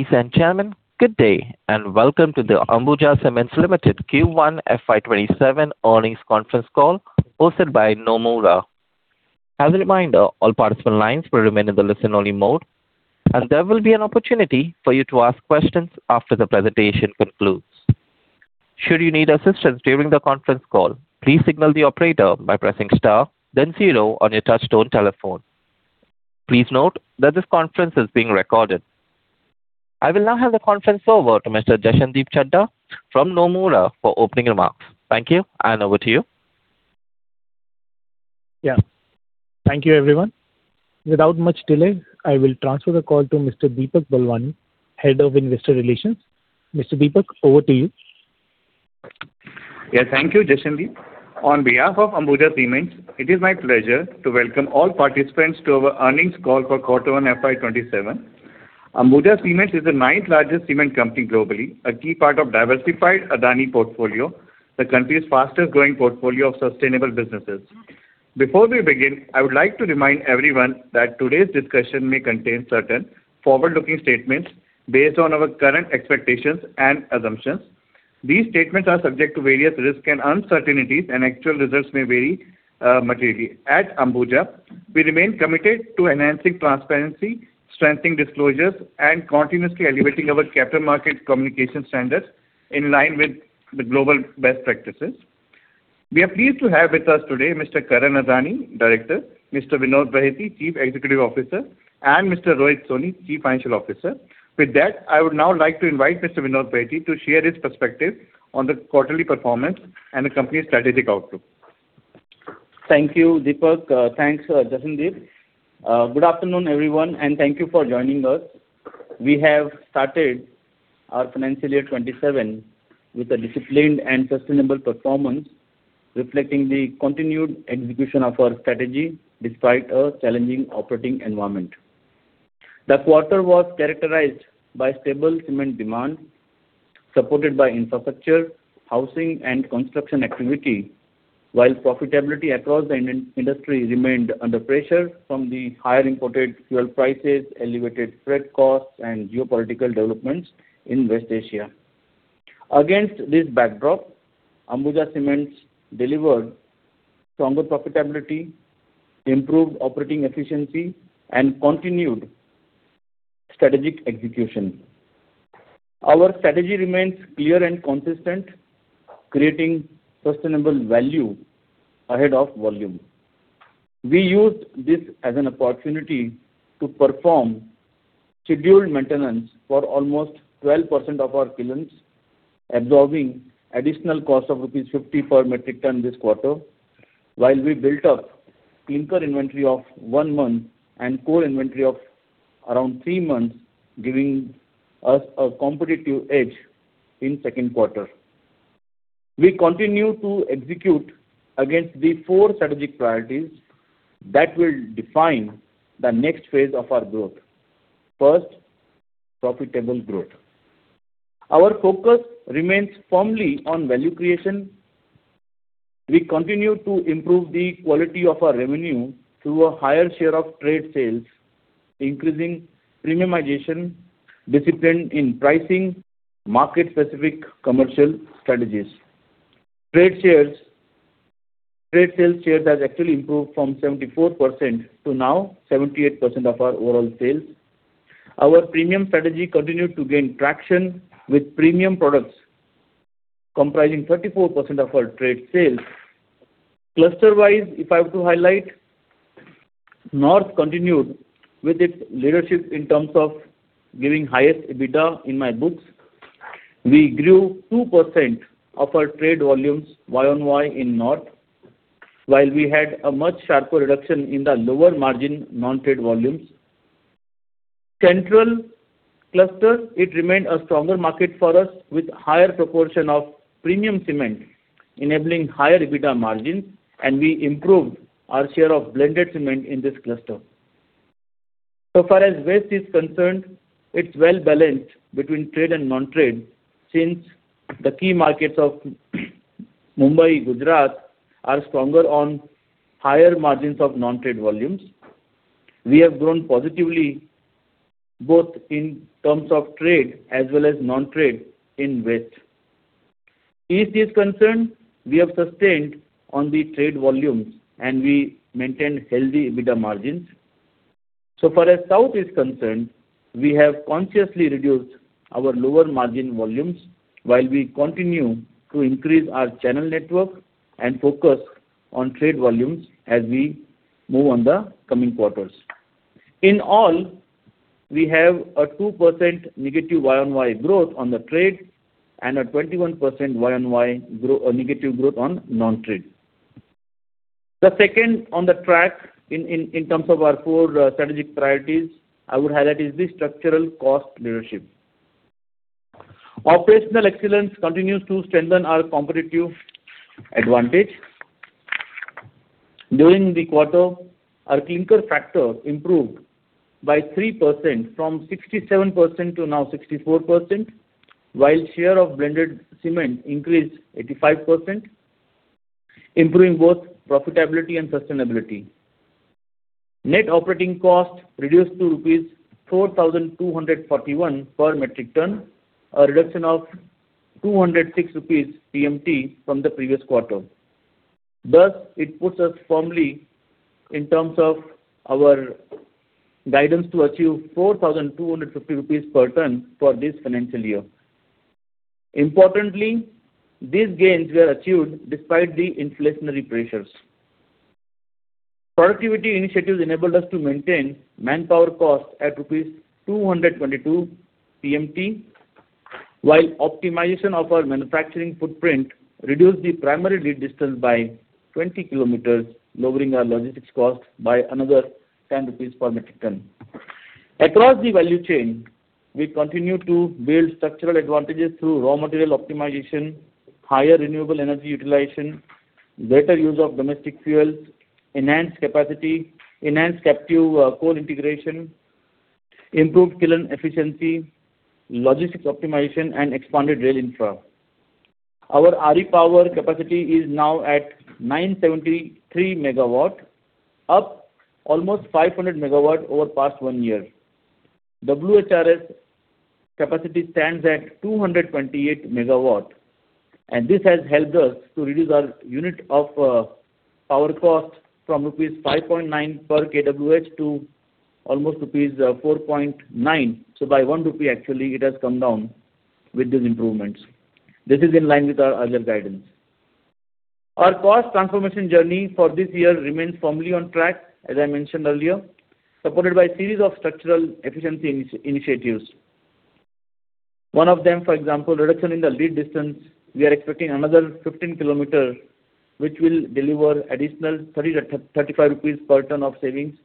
Ladies and gentlemen, good day and welcome to the Ambuja Cements Limited Q1 FY 2027 earnings conference call hosted by Nomura. As a reminder, all participant lines will remain in the listen-only mode, and there will be an opportunity for you to ask questions after the presentation concludes. Should you need assistance during the conference call, please signal the operator by pressing star then zero on your touch-tone telephone. Please note that this conference is being recorded. I will now hand the conference over to Mr. Jashandeep Chadha from Nomura for opening remarks. Thank you, and over to you. Yeah. Thank you, everyone. Without much delay, I will transfer the call to Mr. Deepak Balwani, Head of Investor Relations. Mr. Deepak, over to you. Yeah. Thank you, Jashandeep. On behalf of Ambuja Cements, it is my pleasure to welcome all participants to our earnings call for Quarter one FY 2027. Ambuja Cements is the ninth largest cement company globally, a key part of diversified Adani portfolio, the country's fastest-growing portfolio of sustainable businesses. Before we begin, I would like to remind everyone that today's discussion may contain certain forward-looking statements based on our current expectations and assumptions. These statements are subject to various risks and uncertainties, and actual results may vary materially. At Ambuja, we remain committed to enhancing transparency, strengthening disclosures, and continuously elevating our capital market communication standards in line with the global best practices. We are pleased to have with us today Mr. Karan Adani, Director, Mr. Vinod Bahety, Chief Executive Officer, and Mr. Rohit Soni, Chief Financial Officer. With that, I would now like to invite Mr. Vinod Bahety to share his perspective on the quarterly performance and the company's strategic outlook. Thank you, Deepak. Thanks, Jashandeep. Good afternoon, everyone, thank you for joining us. We have started our financial year 2027 with a disciplined and sustainable performance, reflecting the continued execution of our strategy despite a challenging operating environment. The quarter was characterized by stable cement demand, supported by infrastructure, housing, and construction activity, while profitability across the industry remained under pressure from the higher imported fuel prices, elevated freight costs, and geopolitical developments in West Asia. Against this backdrop, Ambuja Cements delivered stronger profitability, improved operating efficiency, and continued strategic execution. Our strategy remains clear and consistent, creating sustainable value ahead of volume. We used this as an opportunity to perform scheduled maintenance for almost 12% of our kilns, absorbing additional cost of rupees 50 per metric ton this quarter while we built up clinker inventory of one month and core inventory of around three months, giving us a competitive edge in second quarter. We continue to execute against the four strategic priorities that will define the next phase of our growth. First, profitable growth. Our focus remains firmly on value creation. We continue to improve the quality of our revenue through a higher share of trade sales, increasing premiumization, discipline in pricing, market-specific commercial strategies. Trade sales share has actually improved from 74% to now 78% of our overall sales. Our premium strategy continued to gain traction, with premium products comprising 34% of our trade sales. Cluster wise, if I were to highlight, North continued with its leadership in terms of giving highest EBITDA in my books. We grew 2% of our trade volumes year-on-year in North, while we had a much sharper reduction in the lower margin non-trade volumes. Central cluster, it remained a stronger market for us with higher proportion of premium cement enabling higher EBITDA margins. We improved our share of blended cement in this cluster. So far as West is concerned, it's well-balanced between trade and non-trade since the key markets of Mumbai, Gujarat are stronger on higher margins of non-trade volumes. We have grown positively both in terms of trade as well as non-trade in West. East is concerned, we have sustained on the trade volumes and we maintain healthy EBITDA margins. So far as South is concerned, we have consciously reduced our lower margin volumes while we continue to increase our channel network and focus on trade volumes as we move on the coming quarters. In all, we have a 2% negative year-on-year growth on the trade and a 21% year-on-year negative growth on non-trade. The second on the track in terms of our four strategic priorities I would highlight is the structural cost leadership. Operational excellence continues to strengthen our competitive advantage. During the quarter, our clinker factor improved by 3% from 67% to now 64%, while share of blended cement increased 85%, improving both profitability and sustainability. Net operating cost reduced to rupees 4,241 per metric ton, a reduction of 206 rupees per metric ton from the previous quarter. It puts us firmly in terms of our guidance to achieve 4,250 rupees per ton for this financial year. Importantly, these gains were achieved despite the inflationary pressures. Productivity initiatives enabled us to maintain manpower costs at rupees 222 per metric ton, while optimization of our manufacturing footprint reduced the primary lead distance by 20 km, lowering our logistics cost by another 10 rupees per metric ton. Across the value chain, we continue to build structural advantages through raw material optimization, higher renewable energy utilization, better use of domestic fuels, enhanced capacity, enhanced captive coal integration, improved kiln efficiency, logistics optimization, and expanded rail infra. Our RE power capacity is now at 973 MW, up almost 500 MW over the past one year. WHRS capacity stands at 228 MW, and this has helped us to reduce our unit of power cost from rupees 5.9 per kWh to almost rupees 4.9. By one rupee actually it has come down with these improvements. This is in line with our earlier guidance. Our cost transformation journey for this year remains firmly on track, as I mentioned earlier, supported by a series of structural efficiency initiatives. One of them, for example, reduction in the lead distance. We are expecting another 15 km, which will deliver additional 30-35 rupees per ton of savings.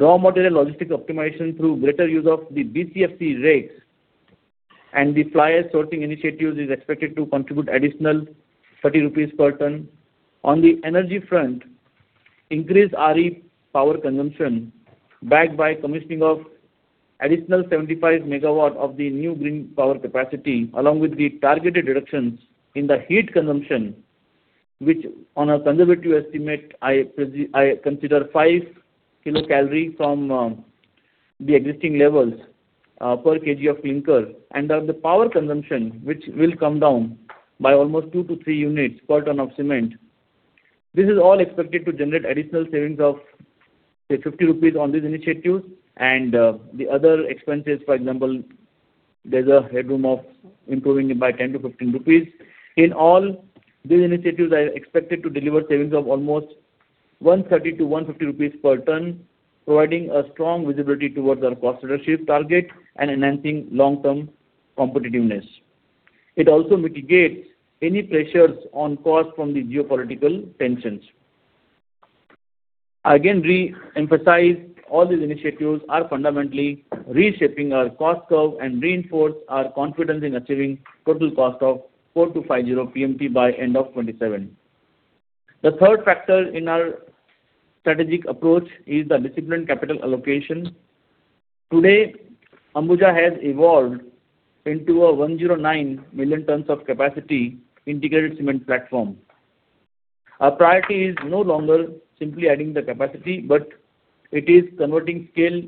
Raw material logistics optimization through greater use of the DCFC rails and the fly ash sorting initiatives is expected to contribute an additional 30 rupees per ton. On the energy front, increased RE power consumption backed by commissioning of additional 75 MW of the new green power capacity, along with the targeted reductions in the heat consumption, which on a conservative estimate, I consider five kilo calories from the existing levels per kg of clinker. The power consumption, which will come down by almost two to three units per ton of cement. This is all expected to generate additional savings of say, 50 rupees on these initiatives and the other expenses, for example, there's a headroom of improving it by 10-15 rupees. In all, these initiatives are expected to deliver savings of almost 130-150 rupees per ton, providing a strong visibility towards our cost leadership target and enhancing long-term competitiveness. It also mitigates any pressures on cost from the geopolitical tensions. I again re-emphasize, all these initiatives are fundamentally reshaping our cost curve and reinforce our confidence in achieving total cost of 4,250 per metric ton by end of 2027. The third factor in our strategic approach is the disciplined capital allocation. Today, Ambuja has evolved into a 109 million tons of capacity integrated cement platform. Our priority is no longer simply adding the capacity, but it is converting scale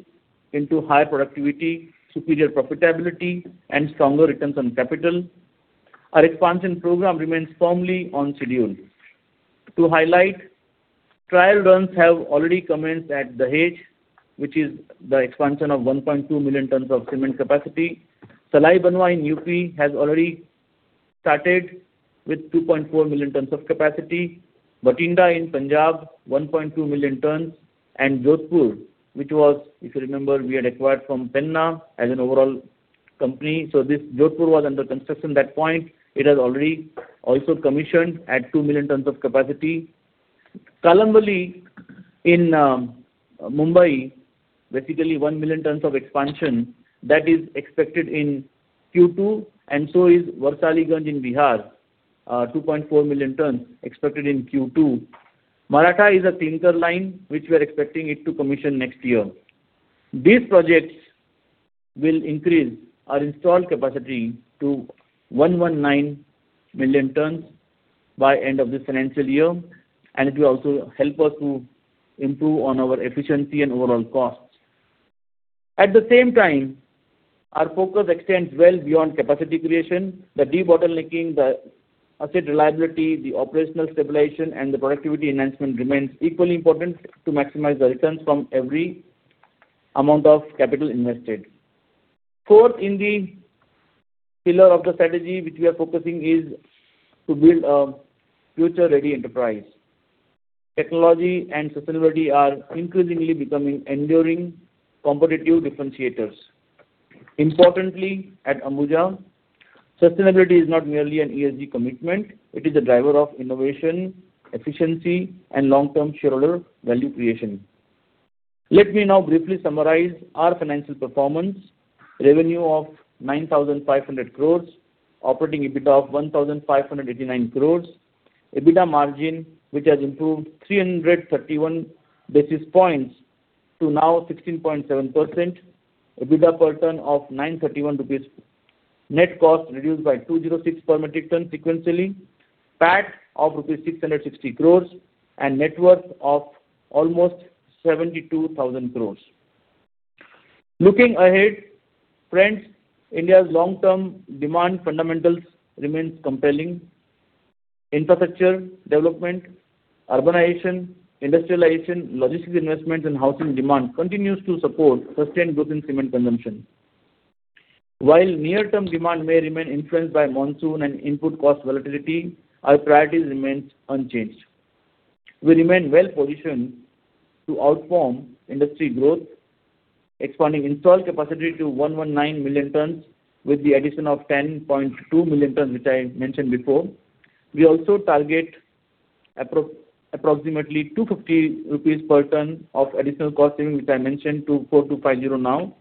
into higher productivity, superior profitability and stronger returns on capital. Our expansion program remains firmly on schedule. To highlight, trial runs have already commenced at Dahej, which is the expansion of 1.2 million tons of cement capacity. Salai Banwa in U.P. has already started with 2.4 million tons of capacity. Bathinda in Punjab, 1.2 million tons. Jodhpur, which was, if you remember, we had acquired from Penna as an overall company. This Jodhpur was under construction at that point. It has already also commissioned at 2 million tons of capacity. Kalamboli in Mumbai, basically 1 million tons of expansion that is expected in Q2 and is Warsaliganj in Bihar, 2.4 million tons expected in Q2. Maratha is a clinker line which we are expecting it to commission next year. These projects will increase our installed capacity to 119 million tons by end of this financial year. It will also help us to improve on our efficiency and overall costs. At the same time, our focus extends well beyond capacity creation, the debottlenecking, the asset reliability, the operational stabilization, and the productivity enhancement remains equally important to maximize the returns from every amount of capital invested. Fourth, in the pillar of the strategy which we are focusing is to build a future-ready enterprise. Technology and sustainability are increasingly becoming enduring competitive differentiators. Importantly, at Ambuja, sustainability is not merely an ESG commitment. It is a driver of innovation, efficiency and long-term shareholder value creation. Let me now briefly summarize our financial performance. Revenue of 9,500 crore. Operating EBITDA of 1,589 crore. EBITDA margin, which has improved 331 basis points to now 16.7%. EBITDA per ton of 931 rupees. Net cost reduced by 206 per metric ton sequentially. PAT of rupees 660 crore. Net worth of almost 72,000 crore. Looking ahead, friends, India's long-term demand fundamentals remains compelling. Infrastructure development, urbanization, industrialization, logistics investments and housing demand continues to support sustained growth in cement consumption. While near-term demand may remain influenced by monsoon and input cost volatility, our priorities remains unchanged. We remain well-positioned to outperform industry growth, expanding installed capacity to 119 million tons with the addition of 10.2 million tons, which I mentioned before. We also target approximately 250 rupees per ton of additional costing, which I mentioned to 4,250 now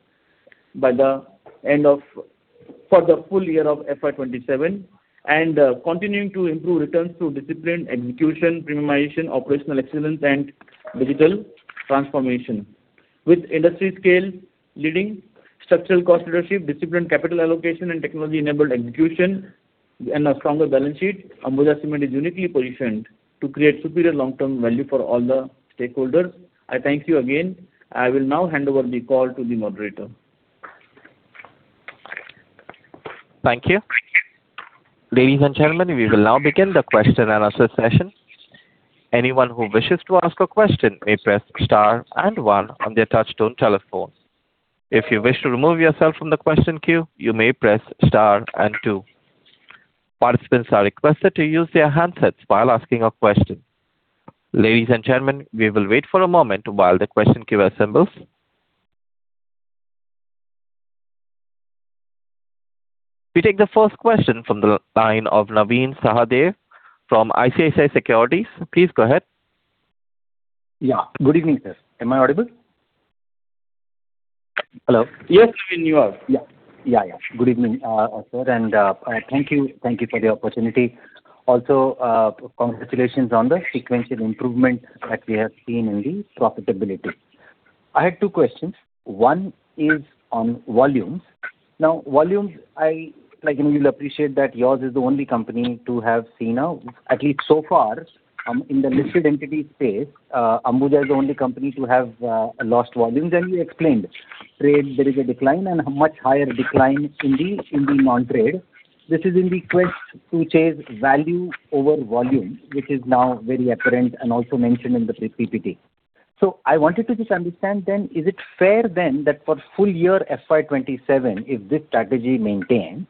for the full year of FY 2027 and continuing to improve returns through disciplined execution, premiumization, operational excellence, and digital transformation. With industry scale leading structural cost leadership, disciplined capital allocation and technology-enabled execution and a stronger balance sheet, Ambuja Cements is uniquely positioned to create superior long-term value for all the stakeholders. I thank you again. I will now hand over the call to the moderator. Thank you. Ladies and gentlemen, we will now begin the question-and-answer session. Anyone who wishes to ask a question may press star and one on their touchtone telephone. If you wish to remove yourself from the question queue, you may press star and two. Participants are requested to use their handsets while asking a question. Ladies and gentlemen, we will wait for a moment while the question queue assembles. We take the first question from the line of Naveen Sahadev from ICICI Securities. Please go ahead. Yeah. Good evening, sir. Am I audible? Hello? Yes, Naveen, you are. Yeah. Good evening, sir. Thank you for the opportunity. Also, congratulations on the sequential improvement that we have seen in the profitability. I had two questions. One is on volumes. Volumes, you'll appreciate that yours is the only company to have seen a, at least so far, in the listed entities space, Ambuja is the only company to have lost volumes. You explained trade, there is a decline and a much higher decline in the non-trade. This is in the quest to chase value over volume, which is now very apparent and also mentioned in the PPT. I wanted to just understand then, is it fair then that for full year FY 2027, if this strategy maintains,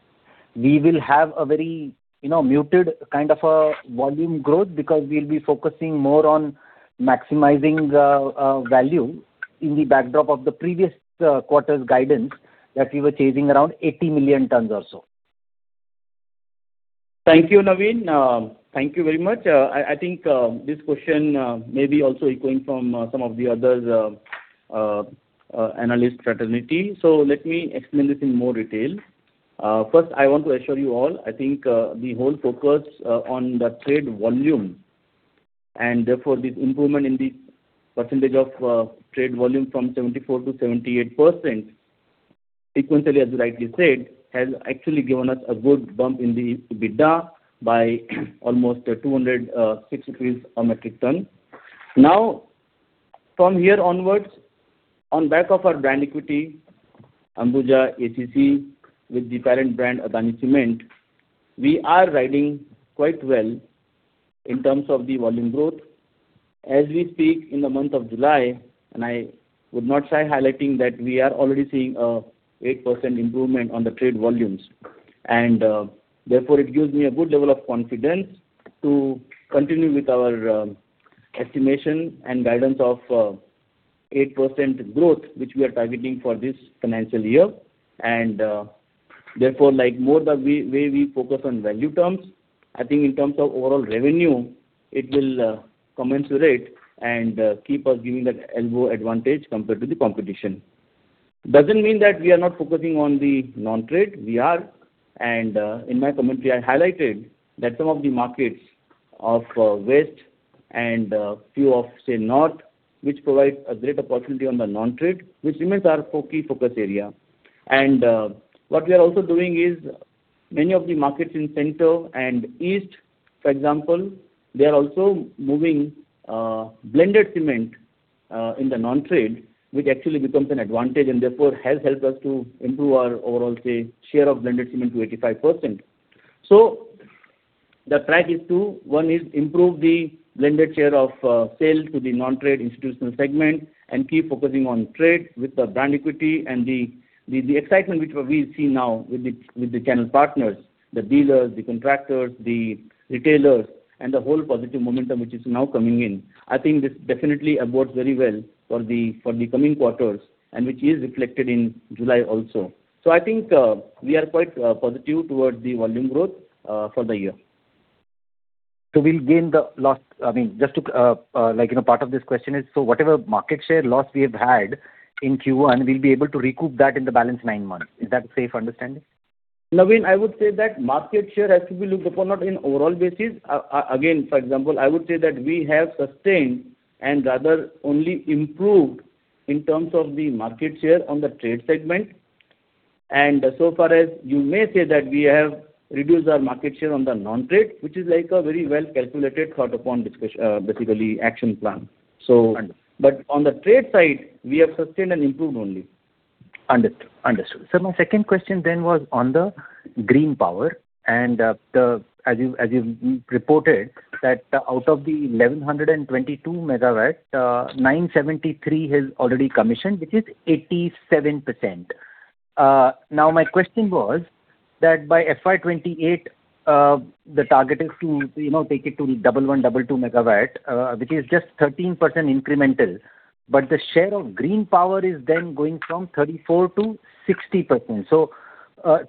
we will have a very muted kind of a volume growth because we'll be focusing more on maximizing value in the backdrop of the previous quarter's guidance that we were chasing around 80 million tons or so. Thank you, Naveen. Thank you very much. I think this question may be also echoing from some of the other analyst fraternity. Let me explain this in more detail. First, I want to assure you all, I think, the whole focus on the trade volume and therefore this improvement in the percentage of trade volume from 74%-78% sequentially, as you rightly said, has actually given us a good bump in the EBITDA by almost 206 rupees a metric ton. From here onwards, on back of our brand equity, Ambuja ACC with the parent brand, Adani Cement, we are riding quite well in terms of the volume growth. As we speak in the month of July, I would not shy highlighting that we are already seeing an 8% improvement on the trade volumes. Therefore it gives me a good level of confidence to continue with our estimation and guidance of 8% growth, which we are targeting for this financial year. Therefore more the way we focus on value terms, I think in terms of overall revenue, it will commensurate and keep us giving that elbow advantage compared to the competition. Doesn't mean that we are not focusing on the non-trade. We are, in my commentary, I highlighted that some of the markets of West and few of, say, North, which provides a great opportunity on the non-trade, which remains our key focus area. What we are also doing is many of the markets in Center and East, for example, they are also moving blended cement in the non-trade, which actually becomes an advantage and therefore has helped us to improve our overall, say, share of blended cement to 85%. The track is to, one is improve the blended share of sale to the non-trade institutional segment and keep focusing on trade with the brand equity and the excitement which we see now with the channel partners, the dealers, the contractors, the retailers, and the whole positive momentum which is now coming in. I think this definitely bodes very well for the coming quarters and which is reflected in July also. I think we are quite positive towards the volume growth for the year. Just to, part of this question is, whatever market share loss we have had in Q1, we'll be able to recoup that in the balance nine months. Is that a safe understanding? Naveen, I would say that market share has to be looked upon not in overall basis. For example, I would say that we have sustained and rather only improved in terms of the market share on the trade segment. So far as you may say that we have reduced our market share on the non-trade, which is a very well-calculated, thought upon, basically action plan. Understood. On the trade side, we have sustained and improved only. Understood. Sir, my second question was on the green power. As you reported that out of the 1,122 MW, 973 MW has already commissioned, which is 87%. My question was that by FY 2028, the target is to take it to the 1,122 MW, which is just 13% incremental. The share of green power is then going from 34% to 60%.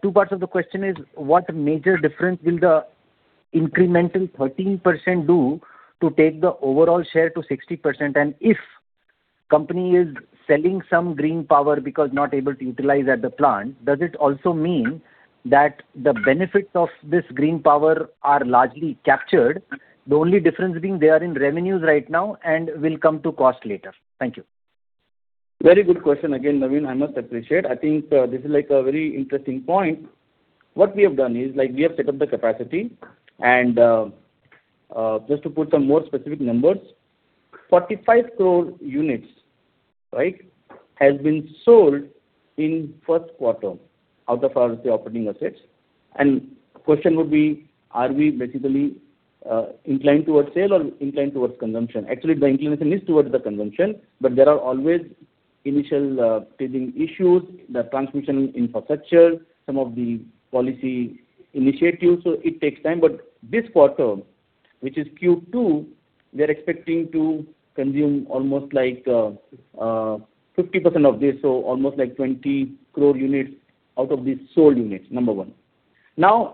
Two parts of the question is, what major difference will the incremental 13% do to take the overall share to 60%? If company is selling some green power because not able to utilize at the plant, does it also mean that the benefits of this green power are largely captured? The only difference being they are in revenues right now and will come to cost later. Thank you. Very good question again, Naveen, I must appreciate. I think this is a very interesting point. What we have done is, we have set up the capacity, just to put some more specific numbers, 45 crore units has been sold in first quarter out of our operating assets. Question would be, are we basically inclined towards sale or inclined towards consumption? Actually, the inclination is towards the consumption. There are always initial teething issues, the transmission infrastructure, some of the policy initiatives, it takes time. This quarter, which is Q2, we are expecting to consume almost 50% of this, almost 20 crore units out of these sold units. Number one.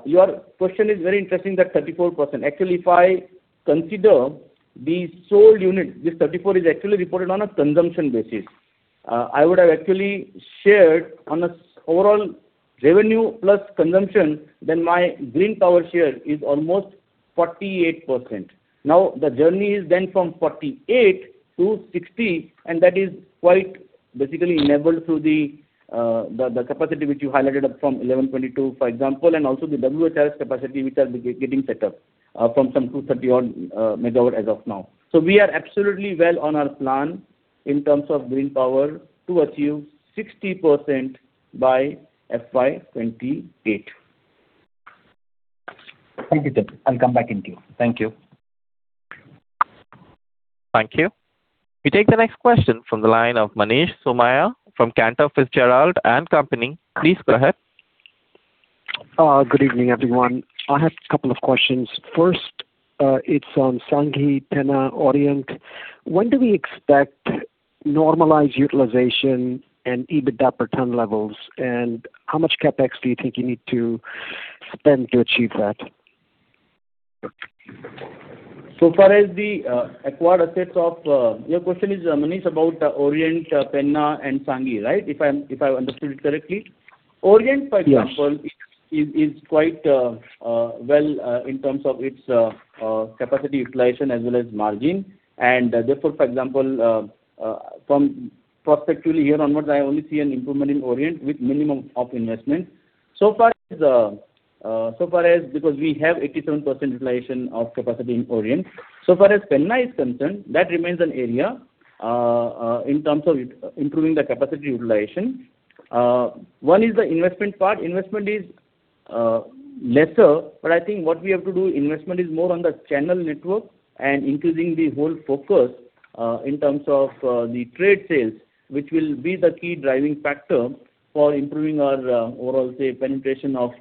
Your question is very interesting, that 34%. Actually, if I consider the sold units, this 34% is actually reported on a consumption basis. I would have actually shared on an overall revenue plus consumption, then my green power share is almost 48%. The journey is then from 48% to 60%, and that is quite basically enabled through the capacity which you highlighted up from 1,122 MW, for example, and also the WHRS capacity which are getting set up from some 230 MW as of now. We are absolutely well on our plan in terms of green power to achieve 60% by FY 2028. Thank you. I'll come back in queue. Thank you. Thank you. We take the next question from the line of Manish Somaiya from Cantor Fitzgerald & Co. Please go ahead. Good evening, everyone. I have a couple of questions. First, it's on Sanghi, Penna, Orient. When do we expect normalized utilization and EBITDA per ton levels, and how much CapEx do you think you need to spend to achieve that? Your question is, Manish, about Orient, Penna and Sanghi, right? If I understood it correctly. Orient, for example, is quite well in terms of its capacity utilization as well as margin. Therefore, for example, from prospectively here onwards, I only see an improvement in Orient with minimum of investment. Because we have 87% utilization of capacity in Orient. So far as Penna is concerned, that remains an area in terms of improving the capacity utilization. One is the investment part. Investment is lesser, but I think what we have to do, investment is more on the channel network and increasing the whole focus in terms of the trade sales, which will be the key driving factor for improving our overall penetration of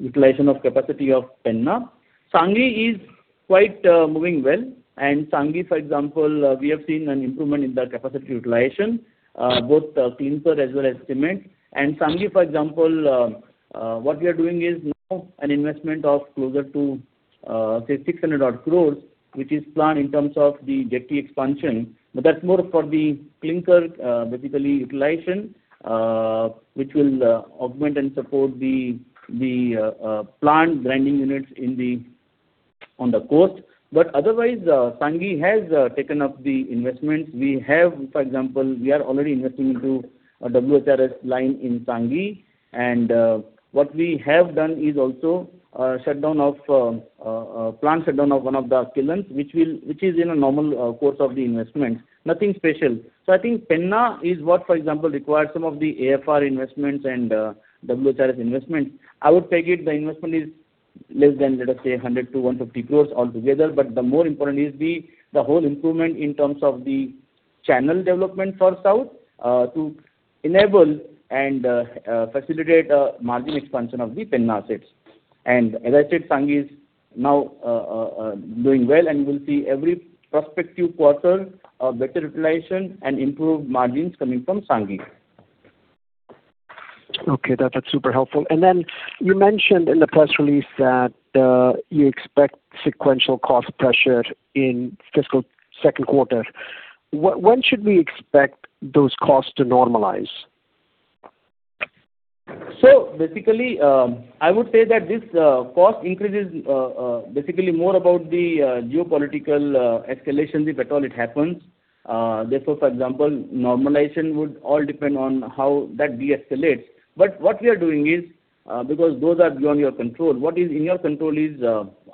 utilization of capacity of Penna. Sanghi is quite moving well, and Sanghi, for example, we have seen an improvement in the capacity utilization, both clinker as well as cement. Sanghi, for example, what we are doing is now an investment of closer to, say, 600 crore, which is planned in terms of the jetty expansion. That's more for the clinker, basically utilization, which will augment and support the plant grinding units on the coast. Otherwise, Sanghi has taken up the investment. We have, for example, we are already investing into a WHRS line in Sanghi, and what we have done is also a plant shutdown of one of the kilns, which is in a normal course of the investment. Nothing special. I think Penna is what, for example, requires some of the AFR investments and WHRS investments. I would peg it, the investment is less than, let us say, 100-150 crores altogether. The more important is the whole improvement in terms of the channel development for South, to enable and facilitate a margin expansion of the Penna assets. As I said, Sanghi is now doing well, and we'll see every prospective quarter a better utilization and improved margins coming from Sanghi. Okay. That's super helpful. You mentioned in the press release that you expect sequential cost pressure in fiscal second quarter. When should we expect those costs to normalize? Basically, I would say that this cost increase is basically more about the geopolitical escalations, if at all it happens. Normalization would all depend on how that deescalates. What we are doing is, because those are beyond your control, what is in your control is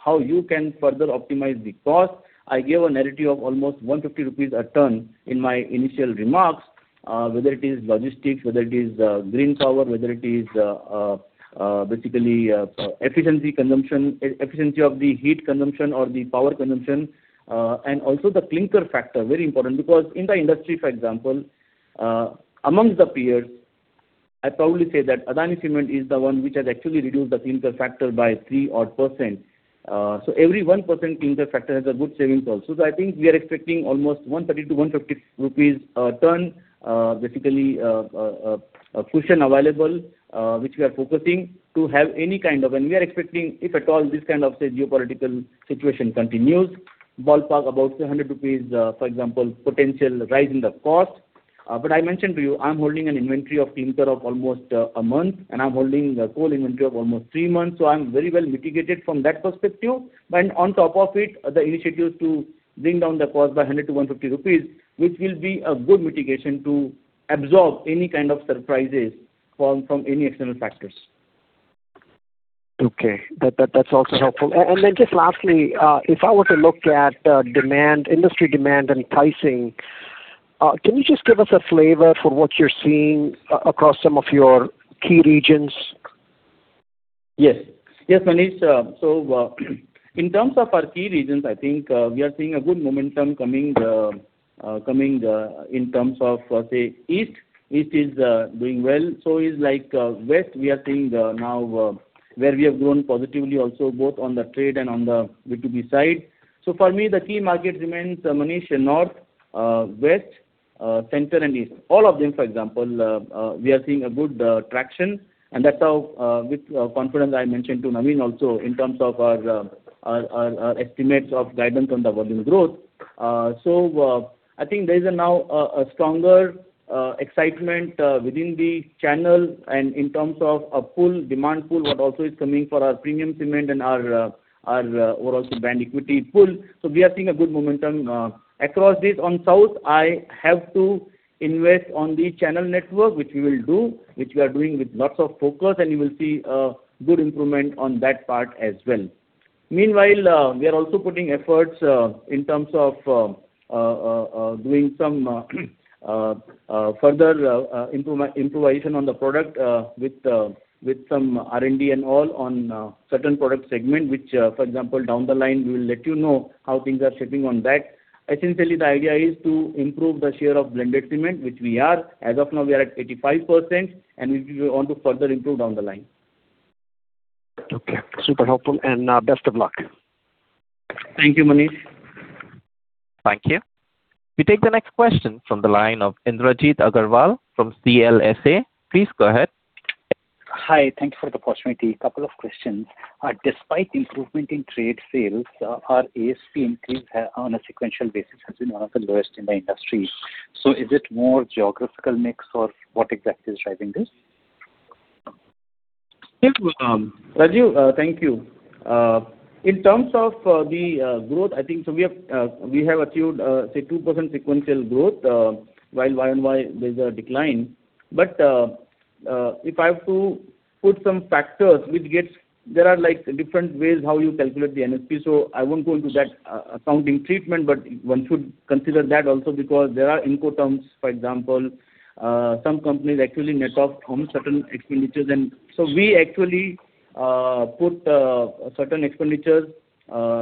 how you can further optimize the cost. I gave a narrative of almost 150 rupees a ton in my initial remarks, whether it is logistics, whether it is green power, whether it is basically efficiency of the heat consumption or the power consumption, and also the clinker factor, very important. Because in the industry, for example, amongst the peers, I'd probably say that Adani Cement is the one which has actually reduced the clinker factor by 3%. Every 1% clinker factor has a good savings also. I think we are expecting almost 130-150 rupees a ton, basically a cushion available, which we are focusing to have. We are expecting, if at all this kind of, say, geopolitical situation continues, ballpark about 200 rupees, for example, potential rise in the cost. I mentioned to you, I'm holding an inventory of clinker of almost a month, and I'm holding a coal inventory of almost three months. I'm very well mitigated from that perspective. On top of it, the initiatives to bring down the cost by 100-150 rupees, which will be a good mitigation to absorb any kind of surprises from any external factors. Okay. That's also helpful. Just lastly, if I were to look at industry demand and pricing, can you just give us a flavor for what you're seeing across some of your key regions? Yes. Manish, in terms of our key regions, I think we are seeing a good momentum coming in terms of, say, East. East is doing well. West, we are seeing now where we have grown positively also both on the trade and on the B2B side. For me, the key market remains, Manish, North, West, Center, and East. All of them, for example, we are seeing a good traction, and that's how, with confidence, I mentioned to Naveen also in terms of our estimates of guidance on the volume growth. I think there is now a stronger excitement within the channel and in terms of demand pool, what also is coming for our premium cement and our overall brand equity pool. We are seeing a good momentum across this. On South, I have to invest on the channel network, which we will do, which we are doing with lots of focus, and you will see a good improvement on that part as well. Meanwhile, we are also putting efforts in terms of doing some further improvisation on the product with some R&D and all on certain product segment, which, for example, down the line, we will let you know how things are shaping on that. Essentially, the idea is to improve the share of blended cement, which we are. As of now, we are at 85%, and we want to further improve down the line. Okay. Super helpful, best of luck. Thank you, Manish. Thank you. We take the next question from the line of Indrajit Agarwal from CLSA. Please go ahead. Hi. Thank you for the opportunity. Couple of questions. Despite improvement in trade sales, our ASP increase on a sequential basis has been one of the lowest in the industry. Is it more geographical mix or what exactly is driving this? Rajit, thank you. In terms of the growth, I think we have achieved, say, 2% sequential growth, while Y on Y there's a decline. If I have to put some factors which There are different ways how you calculate the NSP, I won't go into that accounting treatment. One should consider that also because there are incoterms. For example, some companies actually net off from certain expenditures. We actually put certain expenditures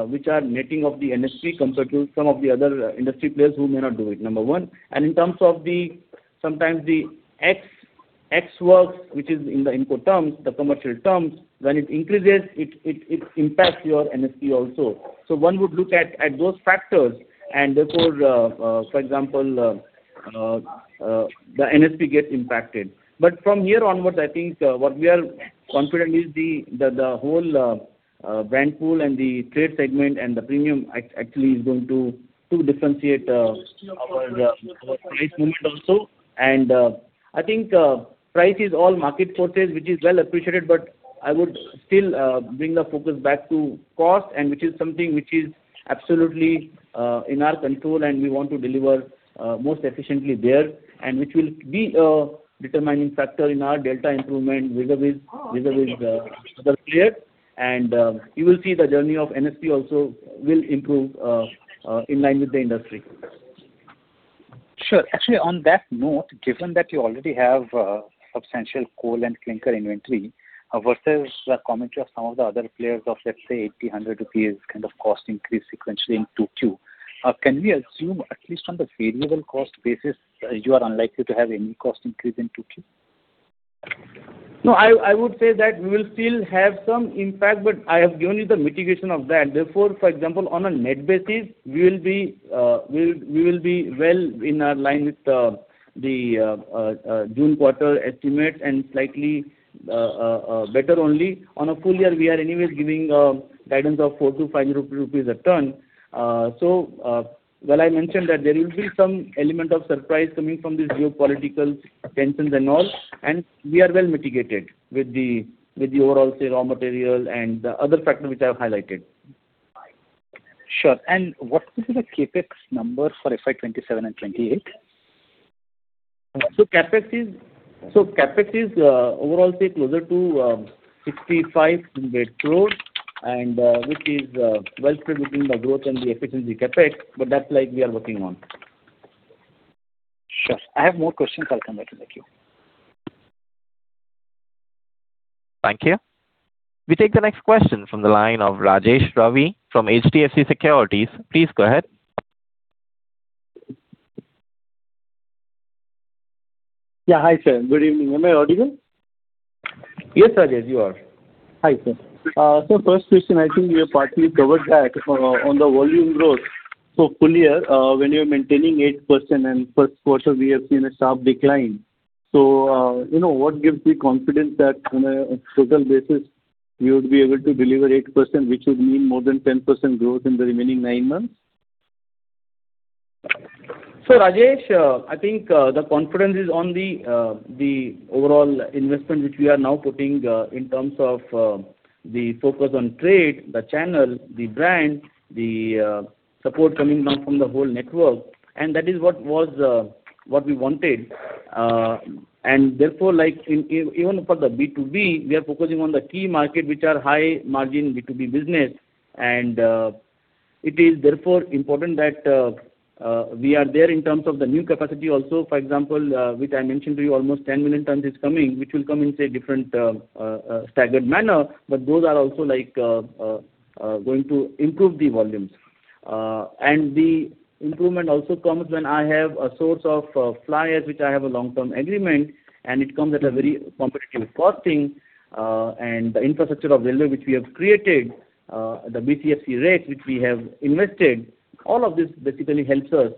which are netting of the NSP compared to some of the other industry players who may not do it. Number one. In terms of sometimes the Ex-works, which is in the input terms, the commercial terms, when it increases, it impacts your NSP also. One would look at those factors, and therefore, for example, the NSP gets impacted. From here onwards, I think what we are confident is the whole brand pool and the trade segment and the premium actually is going to differentiate our price movement also. I think price is all market forces, which is well appreciated, I would still bring the focus back to cost, which is something which is absolutely in our control and we want to deliver most efficiently there, which will be a determining factor in our delta improvement vis-à-vis the other players. You will see the journey of NSP also will improve in line with the industry. Sure. On that note, given that you already have substantial coal and clinker inventory versus the commentary of some of the other players of, let's say, 8,000 rupees kind of cost increase sequentially in 2Q. Can we assume at least on the variable cost basis that you are unlikely to have any cost increase in 2Q? No, I would say that we will still have some impact. I have given you the mitigation of that. For example, on a net basis, we will be well in our line with the June quarter estimate and slightly better only. On a full year, we are anyways giving guidance of 4,250 rupees a ton. While I mentioned that there will be some element of surprise coming from these geopolitical tensions and all, and we are well mitigated with the overall, say, raw material and the other factors which I have highlighted. Sure. What is the CapEx number for FY 2027 and 2028? CapEx is overall, say, closer to 55 crore and which is well spread between the growth and the efficiency CapEx, but that slide we are working on. Sure. I have more questions. I'll come back in the queue. Thank you. We take the next question from the line of Rajesh Ravi from HDFC Securities. Please go ahead. Yeah. Hi, sir. Good evening. Am I audible? Yes, Rajesh, you are. Hi, sir. First question, I think you partly covered that on the volume growth. Full year, when you're maintaining 8% and first quarter we have seen a sharp decline. What gives the confidence that on a total basis you would be able to deliver 8%, which would mean more than 10% growth in the remaining nine months? Rajesh, I think, the confidence is on the overall investment which we are now putting in terms of the focus on trade, the channel, the brand, the support coming now from the whole network. That is what we wanted. Therefore, even for the B2B, we are focusing on the key market which are high margin B2B business and it is therefore important that we are there in terms of the new capacity also. For example, which I mentioned to you, almost 10 million tons is coming, which will come in, say, different staggered manner, but those are also going to improve the volumes. The improvement also comes when I have a source of fly ash, which I have a long-term agreement, and it comes at a very competitive costing. The infrastructure of railway which we have created, the BCFC rake which we have invested, all of this basically helps us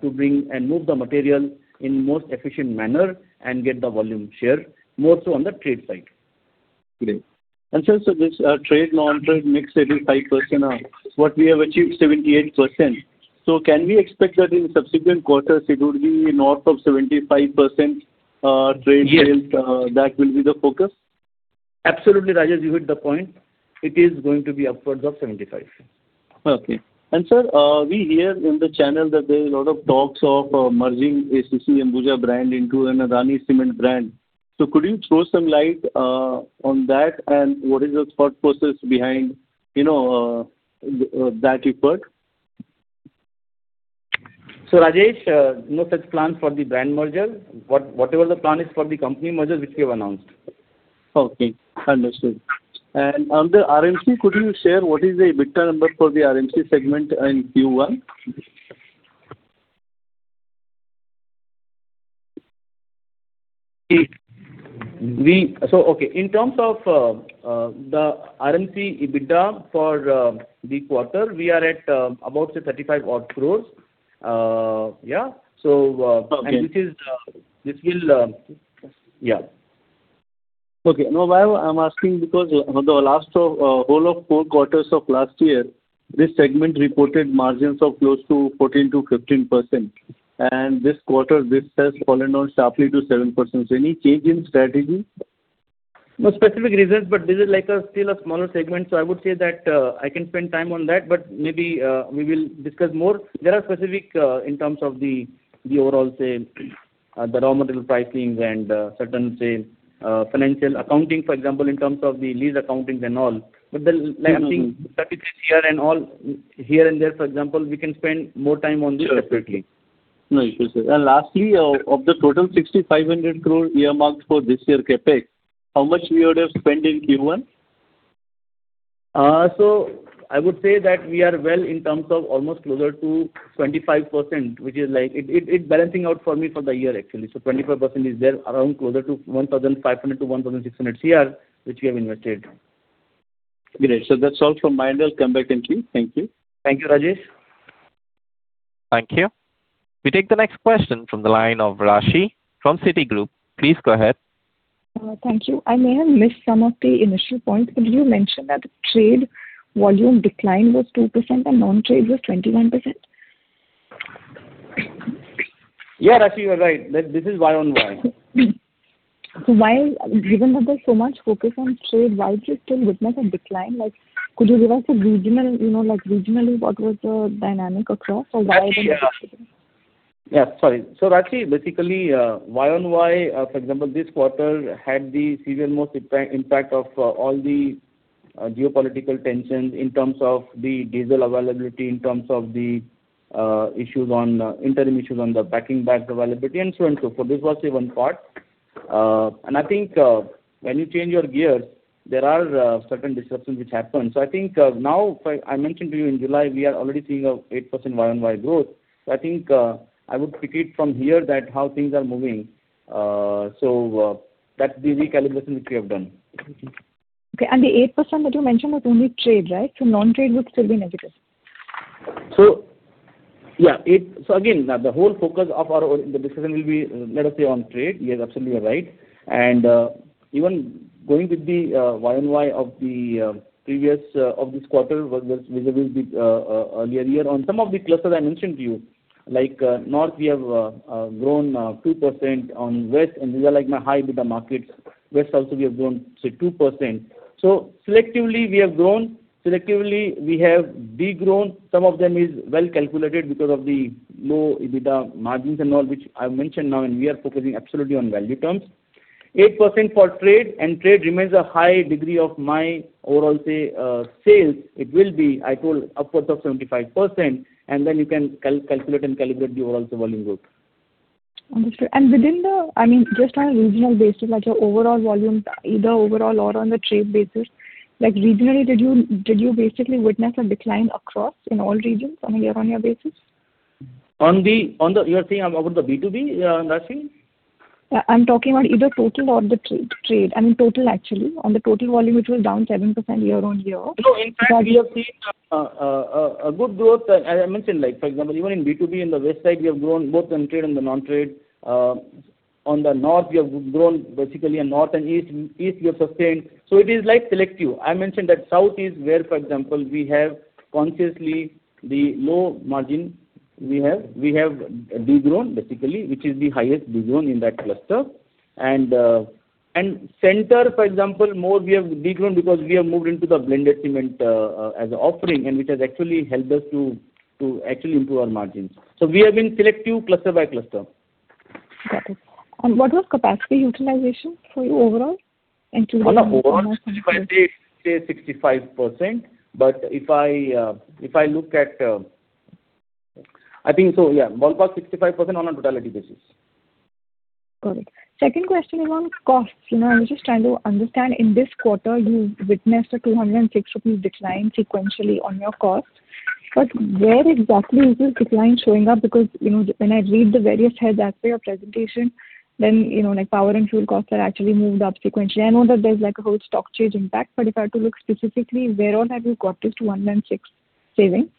to bring and move the material in most efficient manner and get the volume share more so on the trade side. Great. Sir, this trade non-trade mix 75% or what we have achieved 78%. Can we expect that in subsequent quarters it would be north of 75% trade that will be the focus? Absolutely, Rajesh, you hit the point. It is going to be upwards of 75%. Okay. Sir, we hear in the channel that there is a lot of talks of merging ACC Ambuja brand into an Adani Cement brand. Could you throw some light on that and what is the thought process behind that effort? Rajesh, no such plans for the brand merger. Whatever the plan is for the company merger which we have announced. Okay, understood. Under RMC, could you share what is the EBITDA number for the RMC segment in Q1? Okay, in terms of the RMC EBITDA for the quarter, we are at about say 35 crore. Yeah. Okay. This will. Yeah. Okay. No, I'm asking because the last whole of four quarters of last year, this segment reported margins of close to 14%-15%. This quarter, this has fallen down sharply to 7%. Any change in strategy? No specific reasons, this is still a smaller segment, I would say that I can spend time on that, maybe we will discuss more. There are specific in terms of the overall, say, the raw material pricing and certain, say, financial accounting, for example, in terms of the lease accounting and all. I think here and all, here and there, for example, we can spend more time on this separately. Sure. No issues, sir. Lastly, of the total 6,500 crore earmarked for this year CapEx, how much we would have spent in Q1? I would say that we are well in terms of almost closer to 25%, which is like it's balancing out for me for the year actually. 25% is there around closer to 1,500-1,600 crore which we have invested. Great. That's all from my end. I'll come back in queue. Thank you. Thank you, Rajesh. Thank you. We take the next question from the line of Raashi from Citigroup. Please go ahead. Thank you. I may have missed some of the initial points. Could you mention that the trade volume decline was 2% and non-trade was 21%? Yeah, Raashi, you are right. This is Y on Y. Why, given that there is so much focus on trade, why did you still witness a decline? Could you give us a regional, regionally what was the dynamic across or why? Yeah, sorry. Raashi, basically, Y on Y, for example, this quarter had the seasonal most impact of all the geopolitical tensions in terms of the diesel availability, in terms of the issues on, interim issues on the packing bag availability and so and so forth. I think when you change your gears, there are certain disruptions which happen. I think now, I mentioned to you in July, we are already seeing a 8% Y on Y growth. I think, I would pick it from here that how things are moving. That the recalibration which we have done. Okay. The 8% that you mentioned was only trade, right? Non-trade would still be negative. Yeah. Again, the whole focus of our, the discussion will be, let us say on trade. Yes, absolutely you are right. Even going with the Y on Y of this quarter was visible with earlier year on some of the clusters I mentioned to you North, we have grown 2% on West, and these are my high EBITDA markets. West also we have grown, say, 2%. Selectively, we have grown. Selectively, we have de-grown. Some of them is well-calculated because of the low EBITDA margins and all, which I mentioned now, and we are focusing absolutely on value terms. 8% for trade, and trade remains a high degree of my overall sales. It will be, I told, upwards of 75%, and then you can calculate and calibrate the overall volume growth. Understood. Within just on a regional basis, like your overall volume, either overall or on the trade basis. Regionally, did you basically witness a decline across, in all regions on a year-on-year basis? You are saying about the B2B, Raashi? I'm talking about either total or the trade. I mean total actually. On the total volume, which was down 7% year-on-year. No, in fact, we have seen a good growth. As I mentioned, for example, even in B2B in the West side, we have grown both in trade and the non-trade. On the North, we have grown basically in North and East, we have sustained. It is selective. I mentioned that South is where, for example, we have consciously the low margin we have. We have de-grown basically, which is the highest de-grown in that cluster. Center, for example, more we have de-grown because we have moved into the blended cement as a offering, and which has actually helped us to actually improve our margins. We have been selective cluster by cluster. Got it. What was capacity utilization for you overall? Overall, say 65%. I think so, yeah. Ballpark 65% on a totality basis. Got it. Second question is on costs. I'm just trying to understand, in this quarter you witnessed a 206 rupees decline sequentially on your costs. Where exactly is this decline showing up? When I read the various heads as per your presentation, then like power and fuel costs are actually moved up sequentially. I know that there's like a whole stock change impact. If I have to look specifically, where all have you got this 206 savings?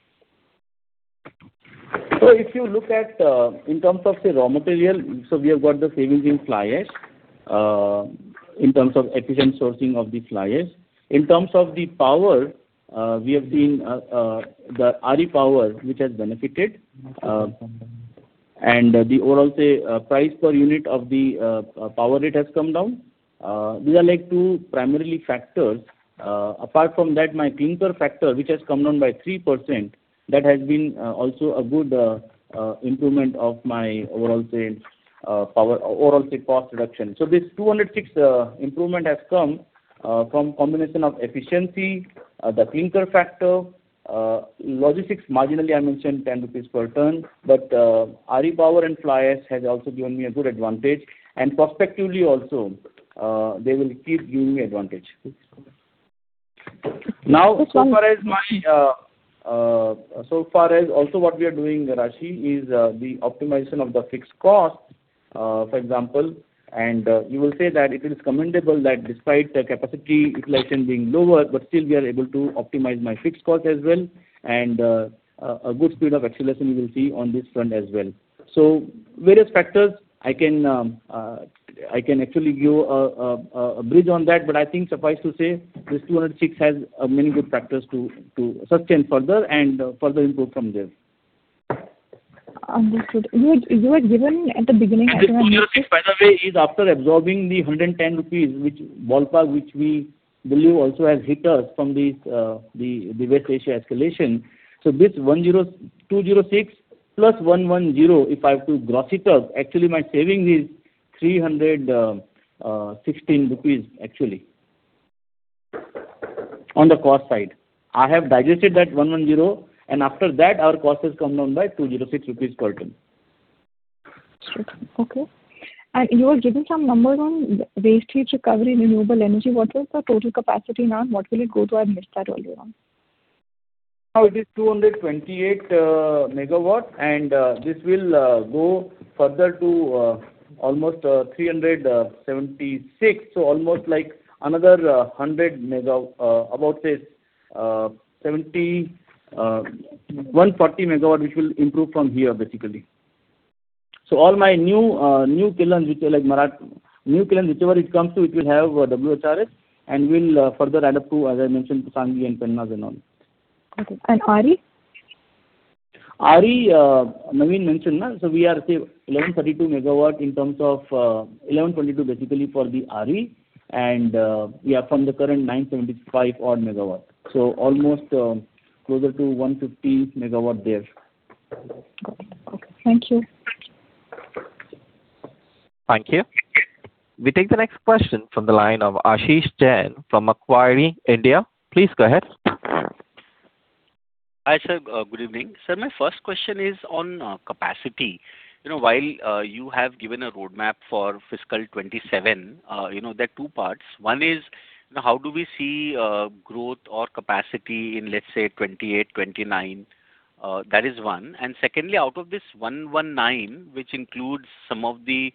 If you look at, in terms of, say, raw material, so we have got the savings in fly ash, in terms of efficient sourcing of the fly ash. In terms of the power, we have seen the RE Power which has benefited and the overall, say, price per unit of the power rate has come down. These are two primary factors. Apart from that, my clinker factor, which has come down by 3%, that has been also a good improvement of my overall, say, cost reduction. This 206 improvement has come from combination of efficiency, the clinker factor. Logistics, marginally, I mentioned 10 rupees per ton. RE power and fly ash has also given me a good advantage. Prospectively also, they will keep giving me advantage. Understood. So far as also what we are doing, Raashi, is the optimization of the fixed cost, for example. You will say that it is commendable that despite the capacity utilization being lower, still we are able to optimize my fixed cost as well, and a good speed of acceleration you will see on this front as well. Various factors I can actually give a bridge on that, but I think suffice to say, this 206 has many good factors to sustain further and further improve from there. Understood. You had given at the beginning. This INR 206, by the way, is after absorbing the 110 rupees ballpark, which we believe also has hit us from the West Asia escalation. This 206 plus 110, if I have to gross it up, actually my saving is 316 rupees, actually. On the cost side. I have digested that 110, and after that, our cost has come down by 206 rupees per ton. Understood. Okay. You were giving some numbers on waste heat recovery, renewable energy. What was the total capacity now, and what will it go to? I missed that earlier on. Now it is 228 MW, this will go further to almost 376 mw, almost like another 100 MW. About, say, 140 MW, which will improve from here basically. All my new kilns, whichever it comes to, it will have WHRS, and we'll further add up to, as I mentioned, Sanghi and Penna and all. Okay. RE? RE, Naveen mentioned. We are, say, 1,122 MW basically for the RE. We are from the current 975 MW. Almost closer to 150 MW there. Okay. Thank you. Thank you. We take the next question from the line of Ashish Jain from Macquarie India. Please go ahead. Hi, sir. Good evening. Sir, my first question is on capacity. While you have given a roadmap for fiscal 2027, there are two parts. One is, how do we see growth or capacity in, let's say, 2028/2029? That is one. Secondly, out of this 119 million tons, which includes some of the